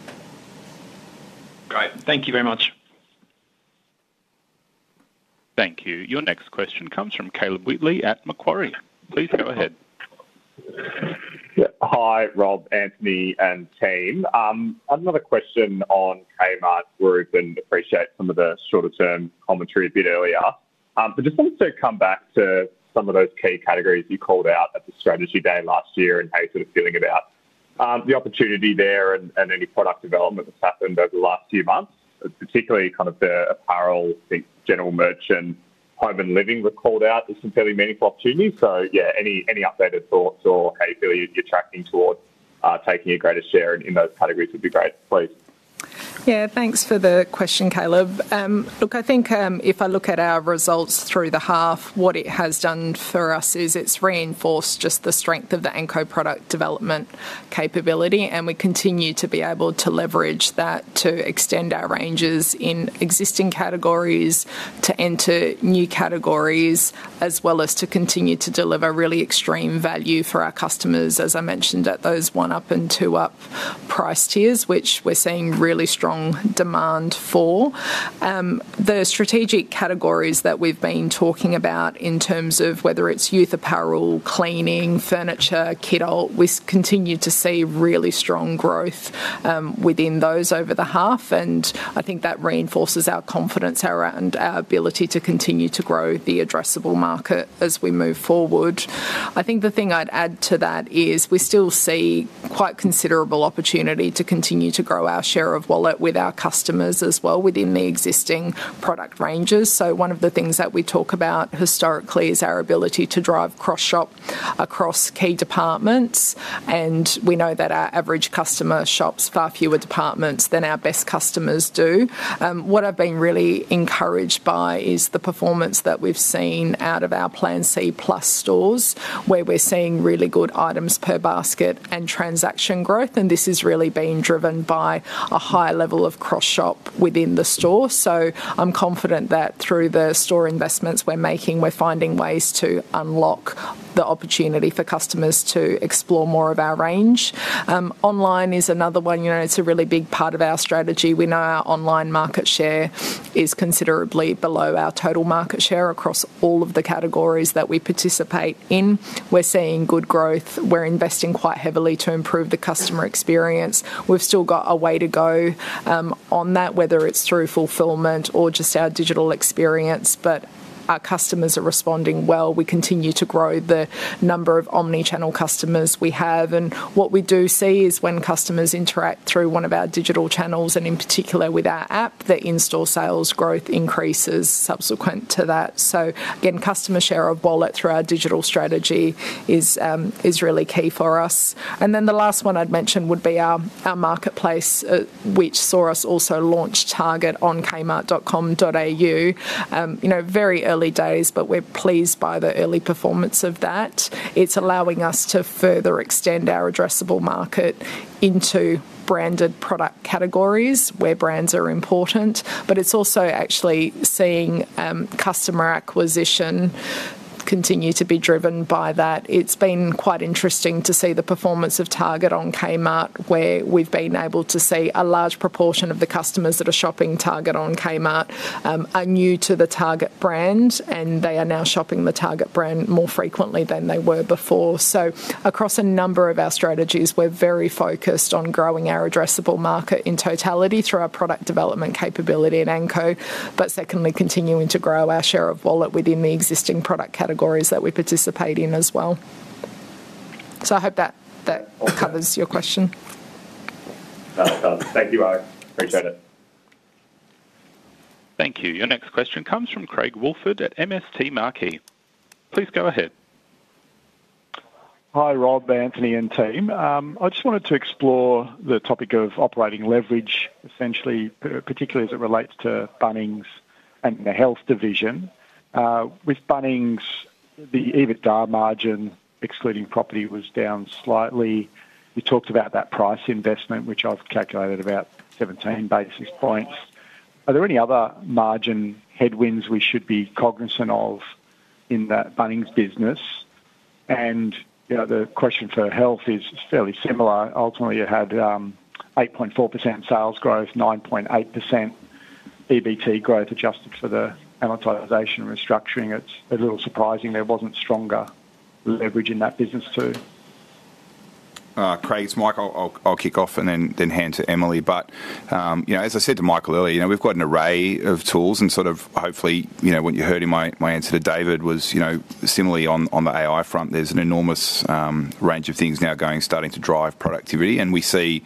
Great. Thank you very much. Thank you. Your next question comes from Caleb Wheatley at Macquarie. Please go ahead. Yeah. Hi, Rob, Anthony, and team. Another question on Kmart Group and appreciate some of the shorter-term commentary a bit earlier. But just wanted to come back to some of those key categories you called out at the strategy day last year and how you're sort of feeling about the opportunity there and, and any product development that's happened over the last few months, particularly kind of the apparel, I think general merchant, home and living were called out as some fairly meaningful opportunities. So yeah, any, any updated thoughts or how you feel you're tracking towards taking a greater share in those categories would be great, please. Yeah, thanks for the question, Caleb. Look, I think, if I look at our results through the half, what it has done for us is it's reinforced just the strength of the Anko product development capability, and we continue to be able to leverage that to extend our ranges in existing categories, to enter new categories, as well as to continue to deliver really extreme value for our customers, as I mentioned, at those one-up and two-up price tiers, which we're seeing really strong demand for. The strategic categories that we've been talking about in terms of whether it's youth apparel, cleaning, furniture, kidult, we continue to see really strong growth, within those over the half, and I think that reinforces our confidence around our ability to continue to grow the addressable market as we move forward. I think the thing I'd add to that is we still see quite considerable opportunity to continue to grow our share of wallet with our customers as well, within the existing product ranges. So one of the things that we talk about historically is our ability to drive cross-shop across key departments, and we know that our average customer shops far fewer departments than our best customers do. What I've been really encouraged by is the performance that we've seen out of our Plan C+ stores, where we're seeing really good items per basket and transaction growth, and this is really being driven by a high level of cross-shop within the store. So I'm confident that through the store investments we're making, we're finding ways to unlock the opportunity for customers to explore more of our range. Online is another one. You know, it's a really big part of our strategy. We know our online market share is considerably below our total market share across all of the categories that we participate in. We're seeing good growth. We're investing quite heavily to improve the customer experience. We've still got a way to go, on that, whether it's through fulfillment or just our digital experience, but our customers are responding well. We continue to grow the number of omnichannel customers we have, and what we do see is when customers interact through one of our digital channels, and in particular with our app, the in-store sales growth increases subsequent to that. So again, customer share of wallet through our digital strategy is, is really key for us. And then the last one I'd mention would be our, our marketplace, which saw us also launch Target on Kmart.com.au. You know, very early days, but we're pleased by the early performance of that. It's allowing us to further extend our addressable market into branded product categories where brands are important, but it's also actually seeing customer acquisition continue to be driven by that. It's been quite interesting to see the performance of Target on Kmart, where we've been able to see a large proportion of the customers that are shopping Target on Kmart are new to the Target brand, and they are now shopping the Target brand more frequently than they were before. So across a number of our strategies, we're very focused on growing our addressable market in totality through our product development capability in Anko, but secondly, continuing to grow our share of wallet within the existing product categories that we participate in as well. So I hope that covers your question. That does. Thank you, I appreciate it. Thank you. Your next question comes from Craig Woolford at MST Marquee. Please go ahead. Hi, Rob, Anthony, and team. I just wanted to explore the topic of operating leverage, essentially, particularly as it relates to Bunnings and the health division. With Bunnings, the EBITDA margin, excluding property, was down slightly. We talked about that price investment, which I've calculated about 17 basis points. Are there any other margin headwinds we should be cognizant of in that Bunnings business? And, you know, the question for health is fairly similar. Ultimately, you had 8.4% sales growth, 9.8% EBT growth, adjusted for the amortization and restructuring. It's a little surprising there wasn't stronger leverage in that business, too. Craig, it's Mike. I'll kick off and then hand to Emily. But, you know, as I said to Michael earlier, you know, we've got an array of tools and sort of hopefully, you know, what you heard in my answer to David was, you know, similarly on the AI front, there's an enormous range of things now going, starting to drive productivity. And we see,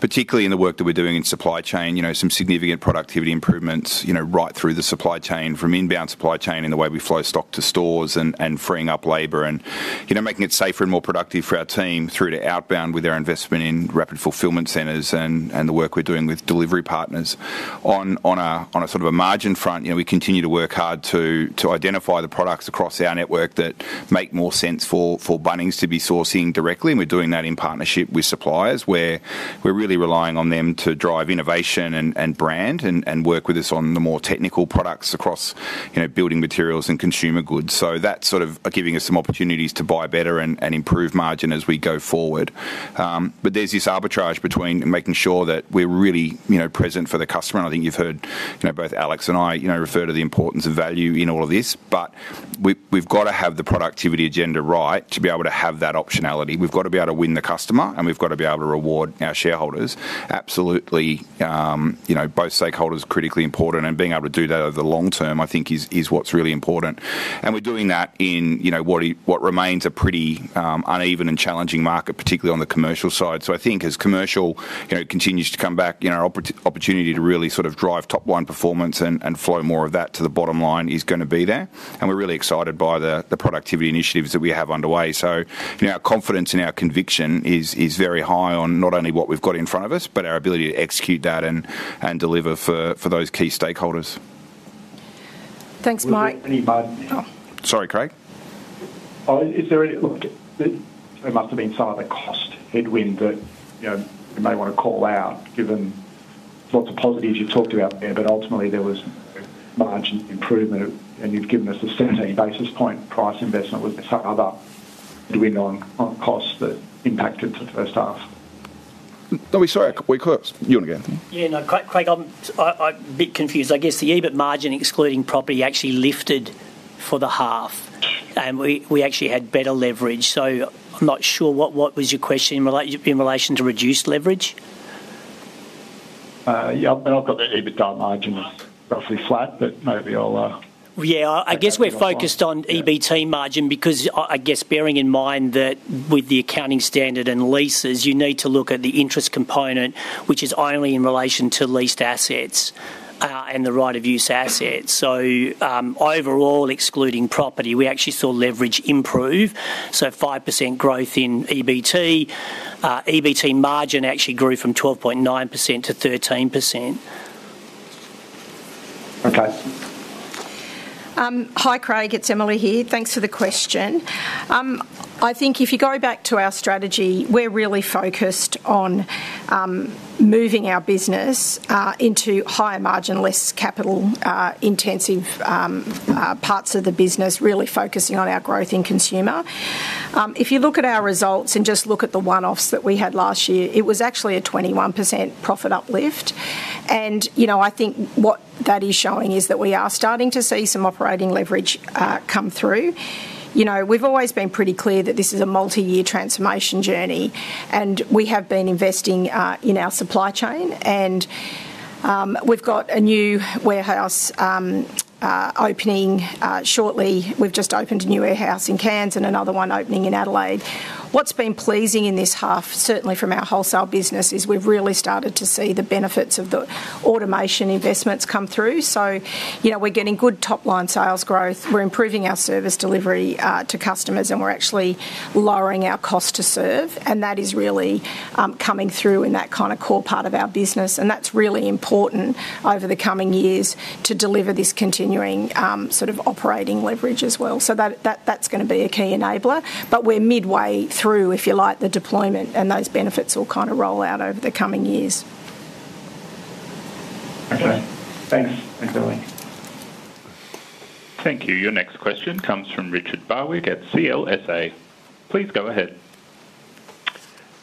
particularly in the work that we're doing in supply chain, you know, some significant productivity improvements, you know, right through the supply chain, from inbound supply chain in the way we flow stock to stores and freeing up labor and, you know, making it safer and more productive for our team through to outbound with our investment in rapid fulfillment centers and the work we're doing with delivery partners. On a sort of a margin front, you know, we continue to work hard to identify the products across our network that make more sense for Bunnings to be sourcing directly, and we're doing that in partnership with suppliers, where we're really relying on them to drive innovation and brand and work with us on the more technical products across, you know, building materials and consumer goods. So that's sort of giving us some opportunities to buy better and improve margin as we go forward. But there's this arbitrage between making sure that we're really, you know, present for the customer, and I think you've heard, you know, both Aleks and I, you know, refer to the importance of value in all of this. But we, we've got to have the productivity agenda right to be able to have that optionality. We've got to be able to win the customer, and we've got to be able to reward our shareholders. Absolutely, you know, both stakeholders are critically important and being able to do that over the long term, I think is, is what's really important. And we're doing that in, you know, what remains a pretty, uneven and challenging market, particularly on the commercial side. So I think as commercial, you know, continues to come back, you know, our opportunity to really sort of drive top-line performance and, and flow more of that to the bottom line is gonna be there. And we're really excited by the, the productivity initiatives that we have underway. You know, our confidence and our conviction is, is very high on not only what we've got in front of us, but our ability to execute that and, and deliver for, for those key stakeholders. Thanks, Mike. Sorry, Craig? Is there any, look, there must have been some other cost headwind that, you know, you may want to call out, given lots of positives you talked about there, but ultimately there was margin improvement, and you've given us a 17 basis point price investment with some other wind on costs that impacted for the first half. Sorry, we caught you again. Yeah, no, Craig, I'm a bit confused. I guess the EBIT margin, excluding property, actually lifted for the half, and we actually had better leverage. So I'm not sure what was your question in relation to reduced leverage? Yeah, and I've got the EBITDA margin roughly flat, but maybe I'll, Yeah, I guess we're focused on EBT margin because I guess bearing in mind that with the accounting standard and leases, you need to look at the interest component, which is only in relation to leased assets, and the right of use assets. So, overall, excluding property, we actually saw leverage improve, so 5% growth in EBT. EBT margin actually grew from 12.9%-13%. Okay. Hi, Craig, it's Emily here. Thanks for the question. I think if you go back to our strategy, we're really focused on moving our business into higher margin, less capital-intensive parts of the business, really focusing on our growth in consumer. If you look at our results and just look at the one-offs that we had last year, it was actually a 21% profit uplift. And, you know, I think what that is showing is that we are starting to see some operating leverage come through. You know, we've always been pretty clear that this is a multi-year transformation journey, and we have been investing in our supply chain, and we've got a new warehouse opening shortly. We've just opened a new warehouse in Cairns and another one opening in Adelaide. What's been pleasing in this half, certainly from our wholesale business, is we've really started to see the benefits of the automation investments come through. So, you know, we're getting good top-line sales growth, we're improving our service delivery to customers, and we're actually lowering our cost to serve, and that is really coming through in that kind of core part of our business, and that's really important over the coming years to deliver this continuing sort of operating leverage as well. So that's gonna be a key enabler, but we're midway through, if you like, the deployment, and those benefits will kind of roll out over the coming years. Okay. Thanks. Thanks, Emily. Thank you. Your next question comes from Richard Barwick at CLSA. Please go ahead.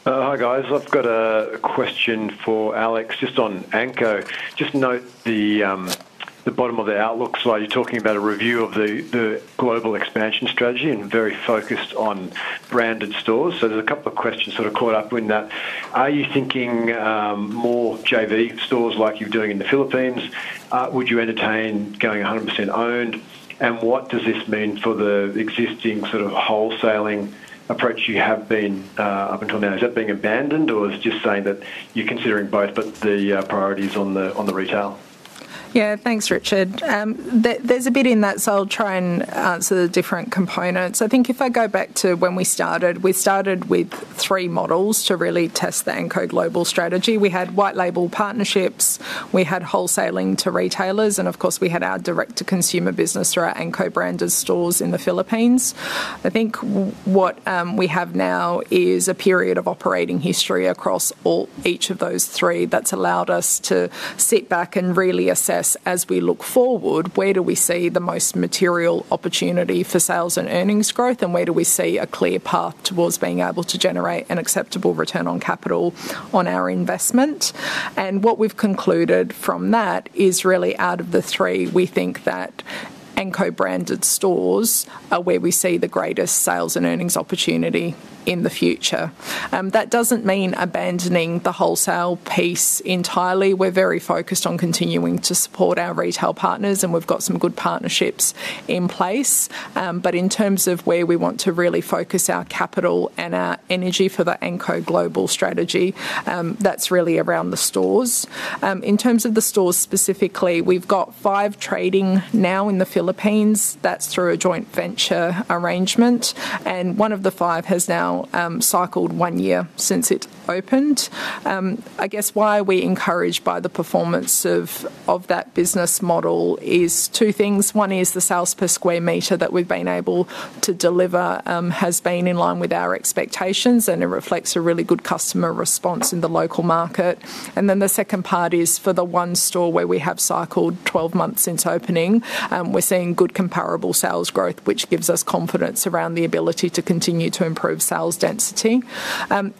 Hi, guys. I've got a question for Aleks, just on Anko. Just note the bottom of the outlook slide, you're talking about a review of the global expansion strategy and very focused on branded stores. So there's a couple of questions that are caught up in that. Are you thinking more JV stores like you're doing in the Philippines? Would you entertain going a hundred percent owned? And what does this mean for the existing sort of wholesaling approach you have been up until now? Is that being abandoned, or is it just saying that you're considering both, but the priority is on the retail? Yeah. Thanks, Richard. There, there's a bit in that, so I'll try and answer the different components. I think if I go back to when we started, we started with three models to really test the Anko global strategy. We had white label partnerships, we had wholesaling to retailers, and of course, we had our direct-to-consumer business through our Anko branded stores in the Philippines. I think what we have now is a period of operating history across all, each of those three that's allowed us to sit back and really assess, as we look forward, where do we see the most material opportunity for sales and earnings growth, and where do we see a clear path towards being able to generate an acceptable return on capital on our investment? What we've concluded from that is really out of the three, we think that Anko-branded stores are where we see the greatest sales and earnings opportunity in the future. That doesn't mean abandoning the wholesale piece entirely. We're very focused on continuing to support our retail partners, and we've got some good partnerships in place. But in terms of where we want to really focus our capital and our energy for the Anko global strategy, that's really around the stores. In terms of the stores specifically, we've got five trading now in the Philippines. That's through a joint venture arrangement, and one of the five has now cycled one year since it opened. I guess why we're encouraged by the performance of that business model is two things. One is the sales per square meter that we've been able to deliver, has been in line with our expectations, and it reflects a really good customer response in the local market. And then the second part is for the one store where we have cycled 12 months since opening, we're seeing good comparable sales growth, which gives us confidence around the ability to continue to improve sales density.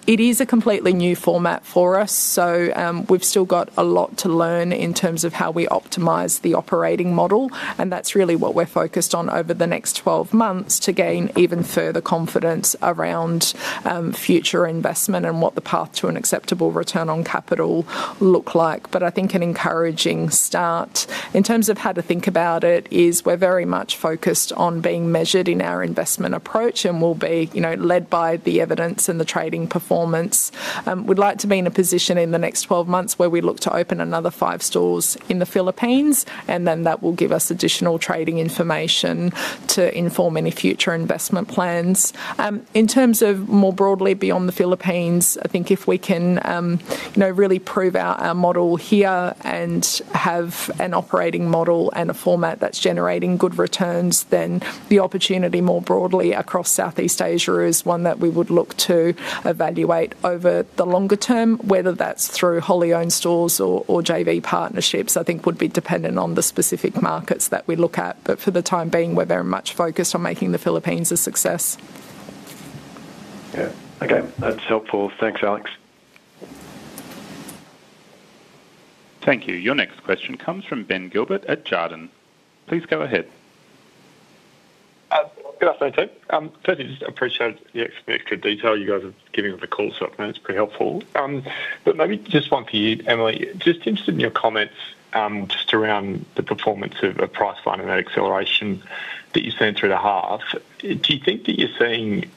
It is a completely new format for us, so, we've still got a lot to learn in terms of how we optimize the operating model, and that's really what we're focused on over the next 12 months to gain even further confidence around, future investment and what the path to an acceptable return on capital look like. But I think an encouraging start. In terms of how to think about it, is we're very much focused on being measured in our investment approach and we'll be, you know, led by the evidence and the trading performance. We'd like to be in a position in the next 12 months where we look to open another five stores in the Philippines, and then that will give us additional trading information to inform any future investment plans. In terms of more broadly beyond the Philippines, I think if we can, you know, really prove our, our model here and have an operating model and a format that's generating good returns, then the opportunity more broadly across Southeast Asia is one that we would look to evaluate over the longer term, whether that's through wholly owned stores or JV partnerships, I think would be dependent on the specific markets that we look at, but for the time being, we're very much focused on making the Philippines a success. Yeah. Okay, that's helpful. Thanks, Aleks. Thank you. Your next question comes from Ben Gilbert at Jarden. Please go ahead. Good afternoon, team. Firstly, just appreciate the extra detail you guys are giving on the call, so that's pretty helpful. But maybe just one for you, Emily. Just interested in your comments, just around the performance of Priceline and that acceleration that you've seen through the half. Do you think that you're seeing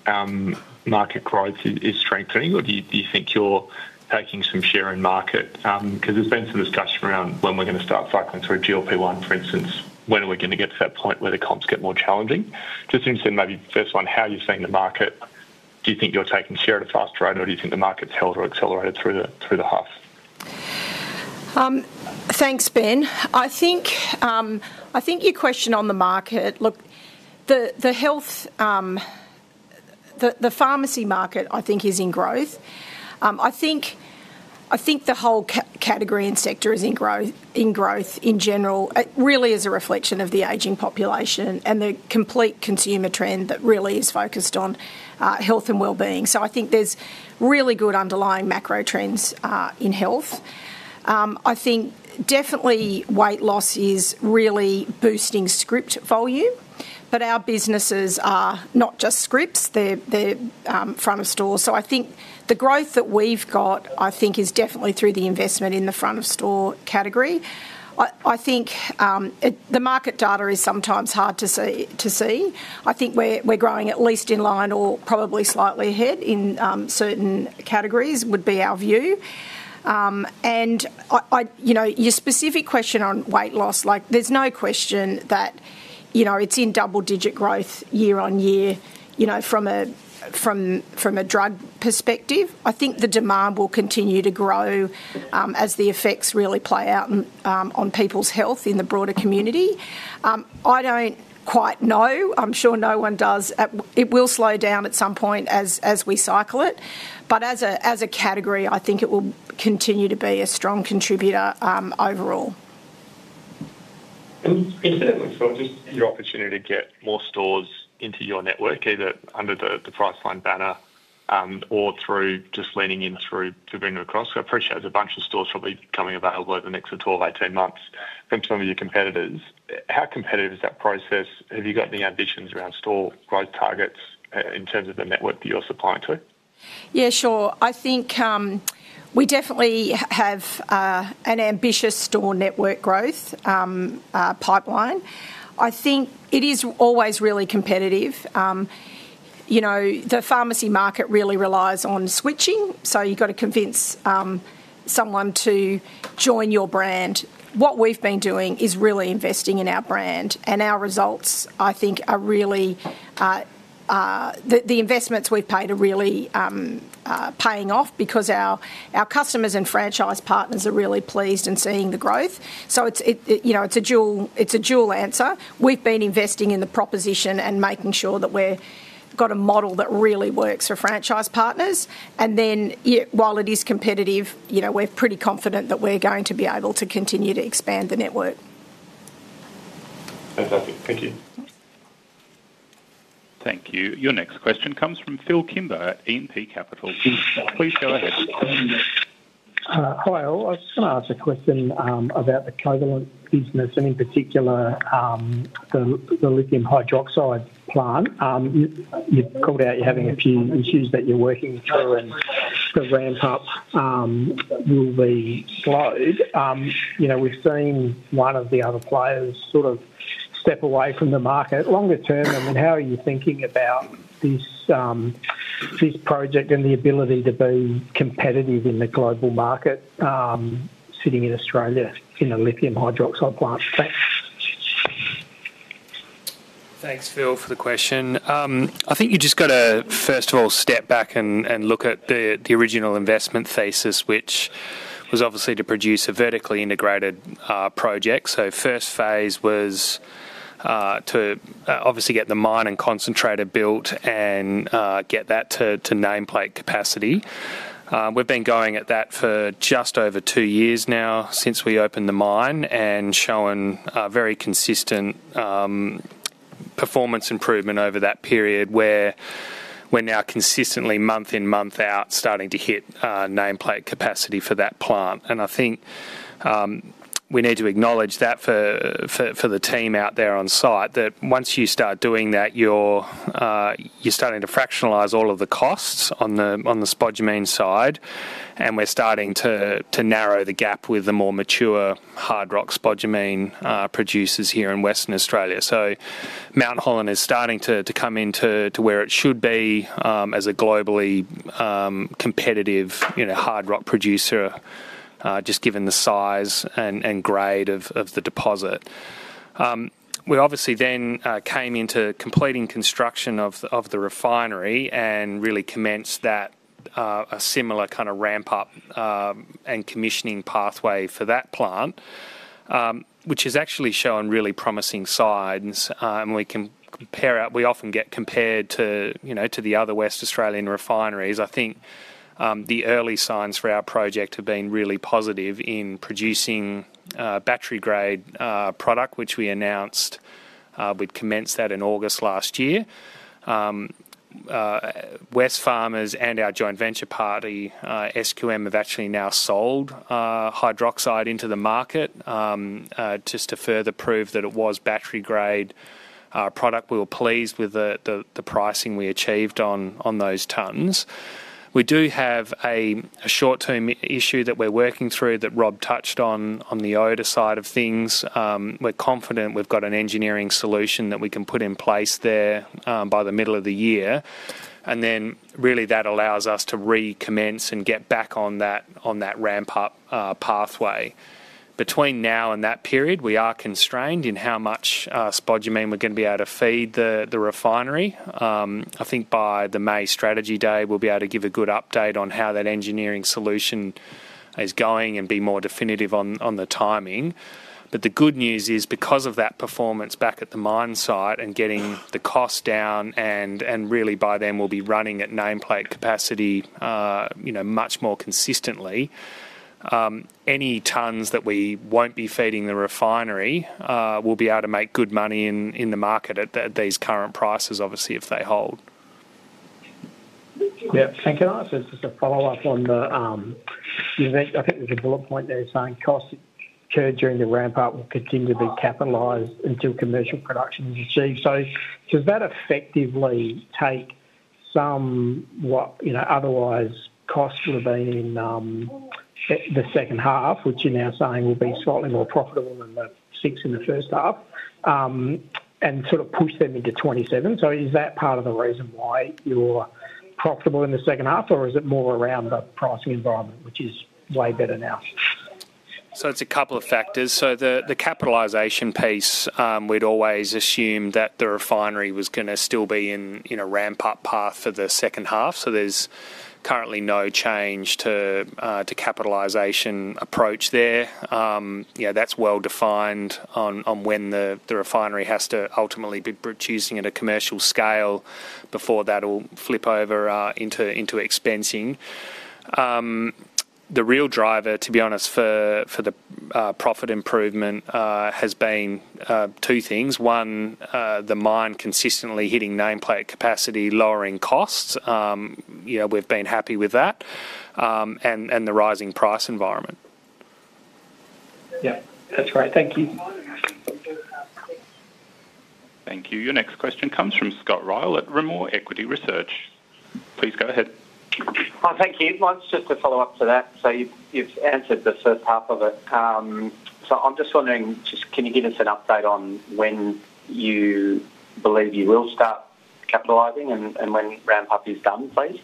market growth is strengthening, or do you think you're taking some share in market? 'Cause there's been some discussion around when we're gonna start cycling through GLP-1, for instance. When are we gonna get to that point where the comps get more challenging? Just interested in, first one, how you're seeing the market. Do you think you're taking share at a faster rate, or do you think the market's held or accelerated through the half? Thanks, Ben. I think, I think your question on the market... Look, the health, the pharmacy market, I think is in growth. I think, I think the whole category and sector is in growth, in growth in general. It really is a reflection of the aging population and the complete consumer trend that really is focused on, health and wellbeing. So I think there's really good underlying macro trends, in health. I think definitely weight loss is really boosting script volume, but our businesses are not just scripts, they're front of store. So I think the growth that we've got, I think, is definitely through the investment in the front of store category. I think, the market data is sometimes hard to see. I think we're growing at least in line or probably slightly ahead in certain categories, would be our view. And I... You know, your specific question on weight loss, like, there's no question that, you know, it's in double-digit growth year-over-year. You know, from a drug perspective, I think the demand will continue to grow as the effects really play out on people's health in the broader community. I don't quite know. I'm sure no one does. It will slow down at some point as we cycle it, but as a category, I think it will continue to be a strong contributor overall. And certainly, so just your opportunity to get more stores into your network, either under the Priceline banner, or through just leaning in through Anko. So I appreciate there's a bunch of stores probably becoming available over the next 12-18 months from some of your competitors. How competitive is that process? Have you got any ambitions around store growth targets in terms of the network that you're supplying to? Yeah, sure. I think we definitely have an ambitious store network growth pipeline. I think it is always really competitive. You know, the pharmacy market really relies on switching, so you've got to convince someone to join your brand. What we've been doing is really investing in our brand, and our results, I think, are really... The investments we've paid are really paying off because our customers and franchise partners are really pleased and seeing the growth. So it's a dual answer. We've been investing in the proposition and making sure that we're got a model that really works for franchise partners. And then, yeah, while it is competitive, you know, we're pretty confident that we're going to be able to continue to expand the network. Fantastic. Thank you. Thank you. Your next question comes from Phil Kimber at E&P Capital. Please go ahead. Hi, all. I was just gonna ask a question about the Covalent business and, in particular, the Lithium Hydroxide plant. You called out you're having a few issues that you're working through, and the ramp up will be slowed. You know, we've seen one of the other players sort of step away from the market. Longer term, I mean, how are you thinking about this project and the ability to be competitive in the global market, sitting in Australia in a Lithium Hydroxide plant? Thanks. Thanks, Phil, for the question. I think you just got to, first of all, step back and look at the original investment thesis, which was obviously to produce a vertically integrated project. So first phase was to obviously get the mine and concentrator built and get that to nameplate capacity. We've been going at that for just over two years now, since we opened the mine and shown a very consistent performance improvement over that period, where we're now consistently, month in, month out, starting to hit nameplate capacity for that plant. And I think, we need to acknowledge that for the team out there on site, that once you start doing that, you're starting to fractionalize all of the costs on the spodumene side, and we're starting to narrow the gap with the more mature hard rock spodumene producers here in Western Australia. So Mount Holland is starting to come into where it should be, as a globally competitive, you know, hard rock producer, just given the size and grade of the deposit. We obviously then came into completing construction of the refinery and really commenced that a similar kind of ramp up and commissioning pathway for that plant, which has actually shown really promising signs. We often get compared to, you know, to the other Western Australian refineries. I think the early signs for our project have been really positive in producing battery-grade product, which we announced we'd commenced that in August last year. Wesfarmers and our joint venture party SQM have actually now sold hydroxide into the market just to further prove that it was battery-grade product. We were pleased with the pricing we achieved on those tons. We do have a short-term issue that we're working through, that Rob touched on, on the odor side of things. We're confident we've got an engineering solution that we can put in place there by the middle of the year, and then, really, that allows us to recommence and get back on that, on that ramp up pathway. Between now and that period, we are constrained in how much spodumene we're gonna be able to feed the refinery. I think by the May strategy day, we'll be able to give a good update on how that engineering solution is going and be more definitive on the timing. But the good news is, because of that performance back at the mine site and getting the cost down, and really by then we'll be running at nameplate capacity, you know, much more consistently, any tons that we won't be feeding the refinery, we'll be able to make good money in the market at these current prices, obviously, if they hold. Yeah, thank you. So just a follow-up on the event. I think there's a bullet point there saying, "Costs incurred during the ramp up will continue to be capitalized until commercial production is achieved." So does that effectively take some, what, you know, otherwise costs would have been in at the second half, which you're now saying will be slightly more profitable than the six in the first half, and sort of push them into 2027? So is that part of the reason why you're profitable in the second half, or is it more around the pricing environment, which is way better now? So it's a couple of factors. So the, the capitalization piece, we'd always assumed that the refinery was gonna still be in, in a ramp-up path for the second half, so there's currently no change to, to capitalization approach there. You know, that's well defined on, on when the, the refinery has to ultimately be producing at a commercial scale before that'll flip over, into, into expensing. The real driver, to be honest, for the profit improvement, has been, two things. One, the mine consistently hitting nameplate capacity, lowering costs. You know, we've been happy with that, and, and the rising price environment. Yeah, that's great. Thank you. Thank you. Your next question comes from Scott Ryall at Rimor Equity Research. Please go ahead. Hi, thank you. Mine's just a follow-up to that. So you've answered the first half of it. So I'm just wondering, just can you give us an update on when you believe you will start capitalizing and when ramp up is done, please?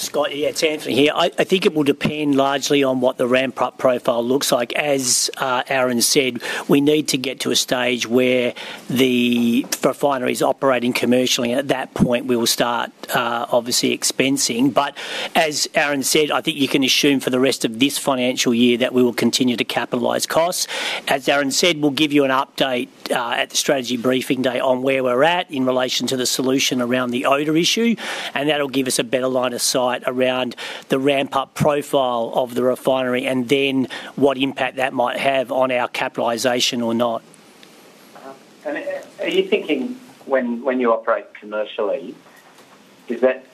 Scott, yeah, it's Anthony here. I think it will depend largely on what the ramp-up profile looks like. As Aaron said, we need to get to a stage where the refinery is operating commercially, and at that point, we will start obviously expensing. But as Aaron said, I think you can assume for the rest of this financial year that we will continue to capitalize costs. As Aaron said, we'll give you an update at the strategy briefing day on where we're at in relation to the solution around the odor issue, and that'll give us a better line of sight around the ramp-up profile of the refinery, and then what impact that might have on our capitalization or not. Uh-huh. And, are you thinking when you operate commercially, is that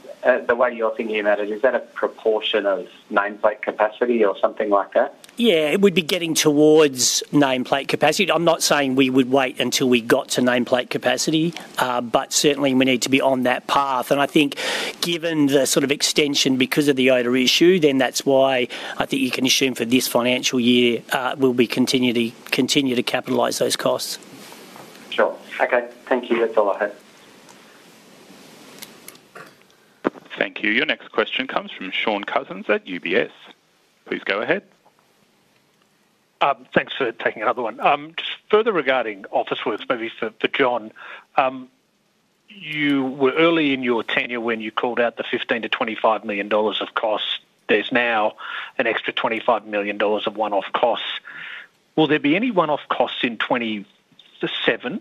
the way you're thinking about it, is that a proportion of nameplate capacity or something like that? Yeah, it would be getting towards nameplate capacity. I'm not saying we would wait until we got to nameplate capacity, but certainly we need to be on that path. And I think given the sort of extension because of the odor issue, then that's why I think you can assume for this financial year, we'll be continuing to capitalize those costs. Sure. Okay, thank you. That's all I had. Thank you. Your next question comes from Shaun Cousins at UBS. Please go ahead. Thanks for taking another one. Just further regarding Officeworks, maybe for John. You were early in your tenure when you called out the 15 million-25 million dollars of costs. There's now an extra 25 million dollars of one-off costs. Will there be any one-off costs in 2027,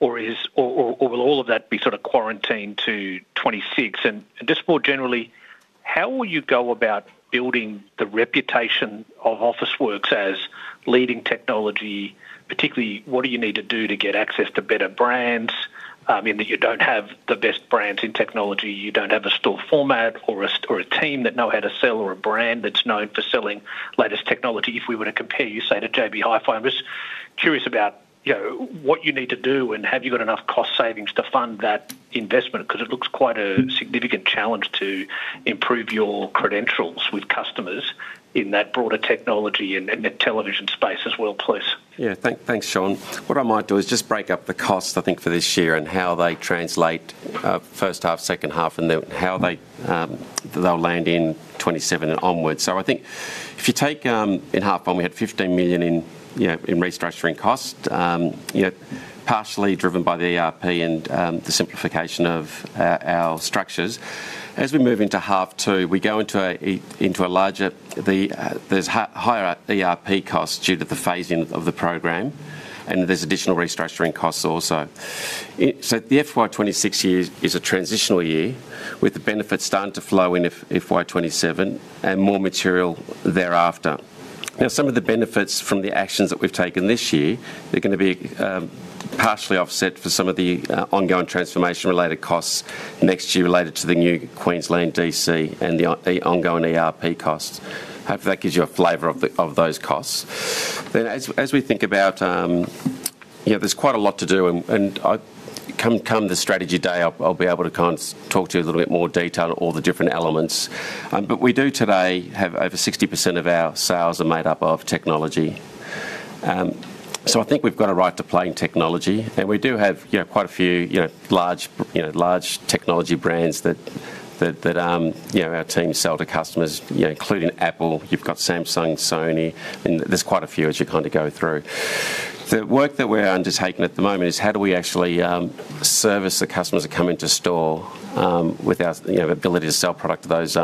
or will all of that be sort of quarantined to 2026? And just more generally, how will you go about building the reputation of Officeworks as leading technology? Particularly, what do you need to do to get access to better brands? In that you don't have the best brands in technology, you don't have a store format or a team that know how to sell or a brand that's known for selling latest technology, if we were to compare you, say, to JB Hi-Fi. I'm just curious about, you know, what you need to do, and have you got enough cost savings to fund that investment? Because it looks quite a significant challenge to improve your credentials with customers in that broader technology and, and the television space as well, please. Yeah. Thanks, Shaun. What I might do is just break up the costs, I think, for this year and how they translate, first half, second half, and then how they'll land in 2027 and onwards. So I think if you take... In half one, we had 15 million in, you know, in restructuring costs, you know, partially driven by the ERP and the simplification of our structures. As we move into half two, we go into a larger, the, there's higher ERP costs due to the phasing of the program, and there's additional restructuring costs also. So the FY 2026 year is a transitional year, with the benefits starting to flow in FY 2027 and more material thereafter. Now, some of the benefits from the actions that we've taken this year, they're gonna be... Partially offset for some of the ongoing transformation-related costs next year related to the new Queensland DC and the ongoing ERP costs. Hopefully, that gives you a flavor of those costs. Then as we think about, you know, there's quite a lot to do, and come the strategy day, I'll be able to kind of talk to you in a little bit more detail, all the different elements. But we do today have over 60% of our sales are made up of technology. So I think we've got a right to play in technology, and we do have, you know, quite a few, you know, large technology brands that you know, our team sell to customers, you know, including Apple. You've got Samsung, Sony, and there's quite a few as you kind of go through. The work that we're undertaking at the moment is how do we actually service the customers that come into store with our, you know, ability to sell product to those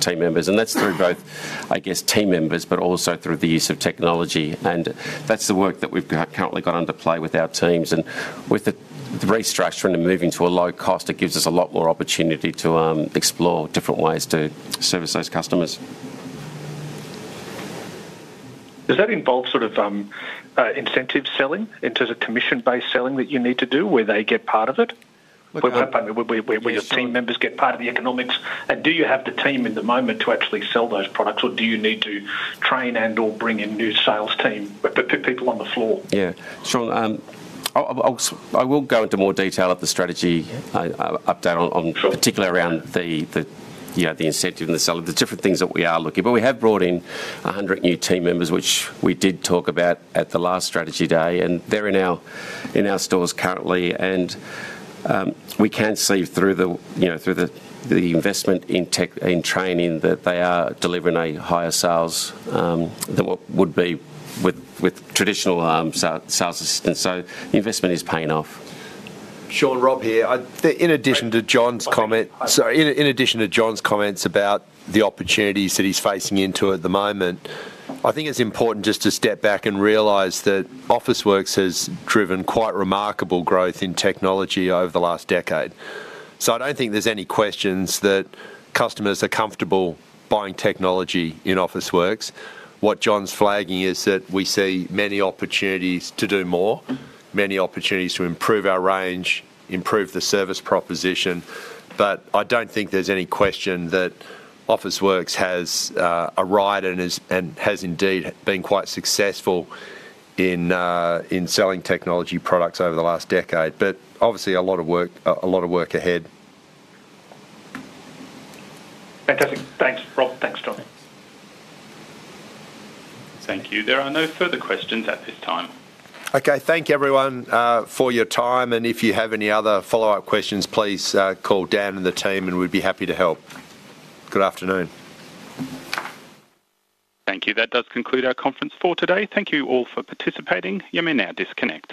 team members? And that's through both, I guess, team members, but also through the use of technology. And that's the work that we've got, currently got under play with our teams. And with the, the restructuring and moving to a low cost, it gives us a lot more opportunity to explore different ways to service those customers. Does that involve sort of incentive selling? In terms of commission-based selling that you need to do, where they get part of it? Where your team members get part of the economics. And do you have the team in the moment to actually sell those products, or do you need to train and/or bring in new sales team, people on the floor? Yeah. Sure, I will go into more detail at the strategy update on- Sure. Particularly around the, you know, the incentive and the seller, the different things that we are looking... But we have brought in 100 new team members, which we did talk about at the last strategy day, and they're in our stores currently. And we can see through the, you know, through the investment in tech, in training, that they are delivering higher sales than what would be with traditional sales assistants, so the investment is paying off. Shaun, Rob here. In addition to John's comment- Okay. Sorry, in addition to John's comments about the opportunities that he's facing into at the moment, I think it's important just to step back and realize that Officeworks has driven quite remarkable growth in technology over the last decade. So I don't think there's any questions that customers are comfortable buying technology in Officeworks. What John's flagging is that we see many opportunities to do more, many opportunities to improve our range, improve the service proposition. But I don't think there's any question that Officeworks has a right and has indeed been quite successful in selling technology products over the last decade. But obviously, a lot of work, a lot of work ahead. Fantastic. Thanks, Rob. Thanks, John. Thank you. There are no further questions at this time. Okay, thank you, everyone, for your time, and if you have any other follow-up questions, please, call Dan and the team, and we'd be happy to help. Good afternoon. Thank you. That does conclude our conference call today. Thank you all for participating. You may now disconnect.